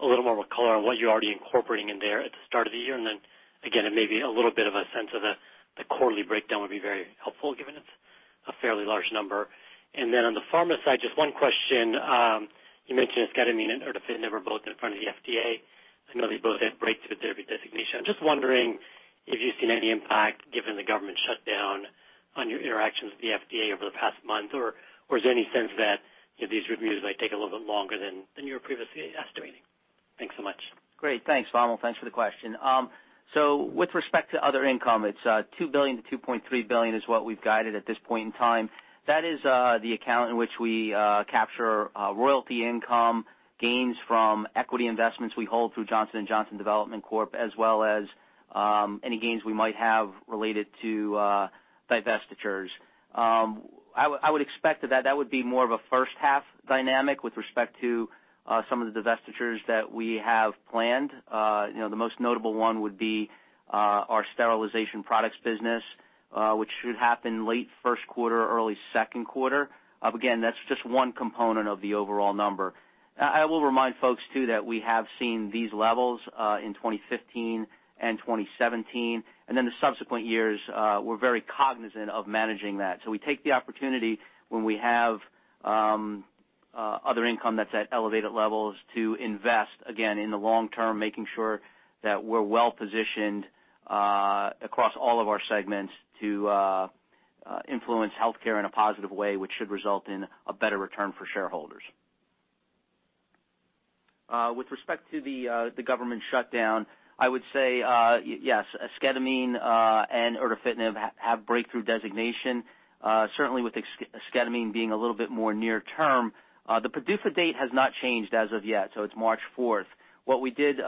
a little more of a color on what you're already incorporating in there at the start of the year, maybe a little bit of a sense of the quarterly breakdown would be very helpful given it's a fairly large number? On the pharma side, just one question. You mentioned esketamine and erdafitinib are both in front of the FDA. I know they both have breakthrough therapy designation. I'm just wondering if you've seen any impact given the government shutdown on your interactions with the FDA over the past month, or is there any sense that these reviews might take a little bit longer than you were previously estimating? Thanks so much. Great. Thanks, Vamil. Thanks for the question. With respect to other income, it's $2 billion-$2.3 billion is what we've guided at this point in time. That is the account in which we capture royalty income, gains from equity investments we hold through Johnson & Johnson Development Corp, as well as any gains we might have related to divestitures. I would expect that would be more of a first-half dynamic with respect to some of the divestitures that we have planned. The most notable one would be our sterilization products business, which should happen late first quarter, early second quarter. Again, that's just one component of the overall number. I will remind folks, too, that we have seen these levels in 2015 and 2017, the subsequent years, we're very cognizant of managing that. We take the opportunity when we have other income that's at elevated levels to invest, again, in the long term, making sure that we're well-positioned across all of our segments to influence healthcare in a positive way, which should result in a better return for shareholders. With respect to the government shutdown, I would say yes, esketamine and erdafitinib have breakthrough designation. Certainly with esketamine being a little bit more near term. The PDUFA date has not changed as of yet, it's March 4th. What we did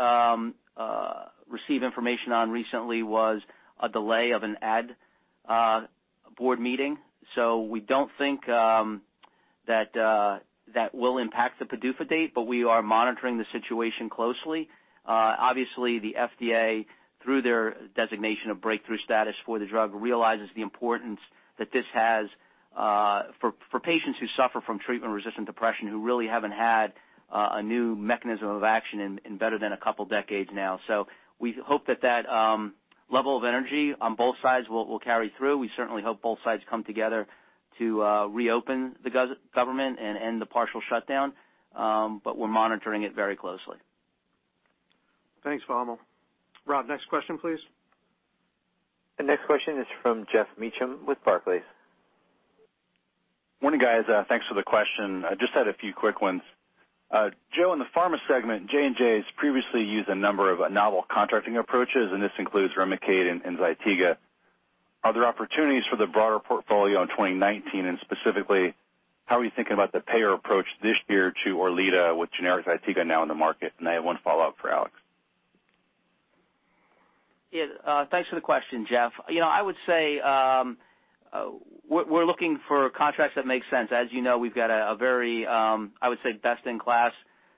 receive information on recently was a delay of an AdComm meeting. We don't think that will impact the PDUFA date, but we are monitoring the situation closely. The FDA, through their designation of breakthrough status for the drug, realizes the importance that this has for patients who suffer from treatment-resistant depression who really haven't had a new mechanism of action in better than a couple decades now. We hope that that level of energy on both sides will carry through. We certainly hope both sides come together to reopen the government and end the partial shutdown, we're monitoring it very closely. Thanks, Vamil. Rob, next question, please. The next question is from Geoff Meacham with Barclays. Morning, guys. Thanks for the question. Just had a few quick ones. Joe, in the pharma segment, J&J's previously used a number of novel contracting approaches, this includes REMICADE and ZYTIGA. Are there opportunities for the broader portfolio in 2019, specifically, how are you thinking about the payer approach this year to ZYTIGA with generic ZYTIGA now in the market? I have one follow-up for Alex. Thanks for the question, Geoff. I would say we're looking for contracts that make sense. As you know, we've got a very best-in-class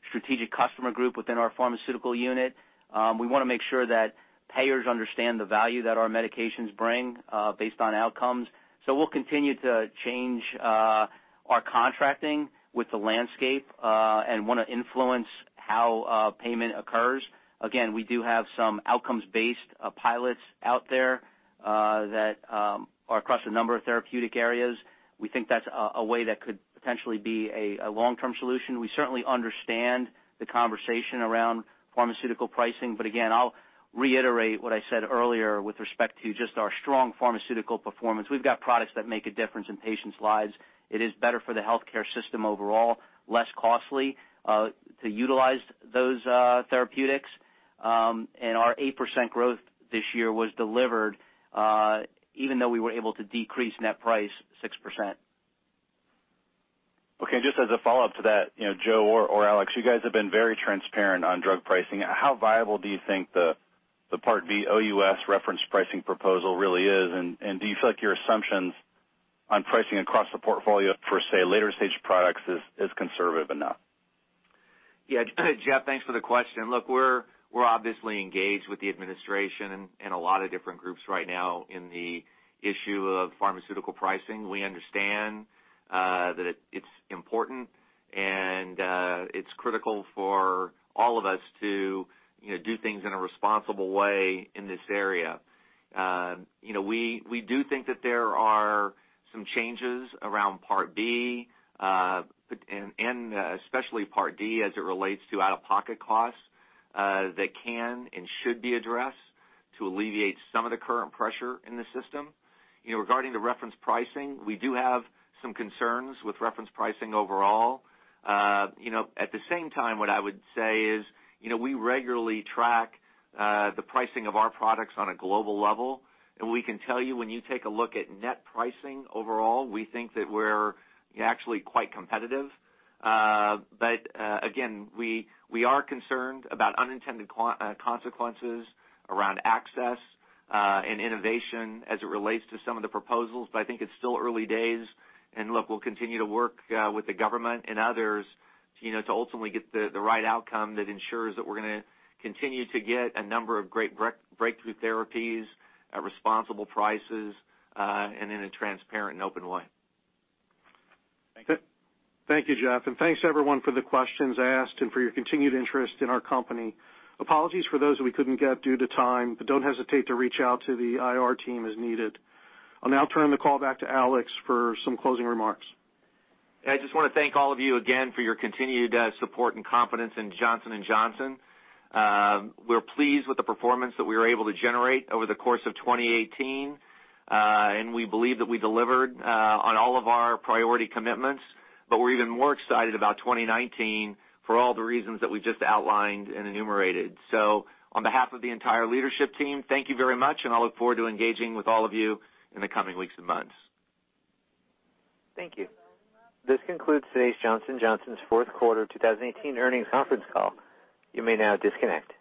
strategic customer group within our pharmaceutical unit. We want to make sure that payers understand the value that our medications bring based on outcomes. We'll continue to change our contracting with the landscape and want to influence how payment occurs. Again, we do have some outcomes-based pilots out there that are across a number of therapeutic areas. We think that's a way that could potentially be a long-term solution. We certainly understand the conversation around pharmaceutical pricing, again, I'll reiterate what I said earlier with respect to just our strong pharmaceutical performance. We've got products that make a difference in patients' lives. It is better for the healthcare system overall, less costly to utilize those therapeutics. Our 8% growth this year was delivered even though we were able to decrease net price 6%. Just as a follow-up to that, Joe or Alex, you guys have been very transparent on drug pricing. How viable do you think the Part B OUS reference pricing proposal really is? Do you feel like your assumptions on pricing across the portfolio for, say, later-stage products is conservative enough? Geoff, thanks for the question. Look, we're obviously engaged with the administration and a lot of different groups right now in the issue of pharmaceutical pricing. We understand that it's important, it's critical for all of us to do things in a responsible way in this area. We do think that there are some changes around Part B, especially Part D as it relates to out-of-pocket costs, that can and should be addressed to alleviate some of the current pressure in the system. Regarding the reference pricing, we do have some concerns with reference pricing overall. At the same time, what I would say is, we regularly track the pricing of our products on a global level, we can tell you when you take a look at net pricing overall, we think that we're actually quite competitive. Again, we are concerned about unintended consequences around access and innovation as it relates to some of the proposals, I think it's still early days. Look, we'll continue to work with the government and others, you know, to ultimately get the right outcome that ensures that we're going to continue to get a number of great breakthrough therapies at responsible prices, and in a transparent and open way. Thank you, Geoff, thanks everyone for the questions asked and for your continued interest in our company. Apologies for those that we couldn't get due to time, don't hesitate to reach out to the IR team as needed. I'll now turn the call back to Alex for some closing remarks. I just want to thank all of you again for your continued support and confidence in Johnson & Johnson. We're pleased with the performance that we were able to generate over the course of 2018. We believe that we delivered on all of our priority commitments, we're even more excited about 2019 for all the reasons that we just outlined and enumerated. On behalf of the entire leadership team, thank you very much, I look forward to engaging with all of you in the coming weeks and months. Thank you. This concludes today's Johnson & Johnson's fourth quarter 2018 earnings conference call. You may now disconnect.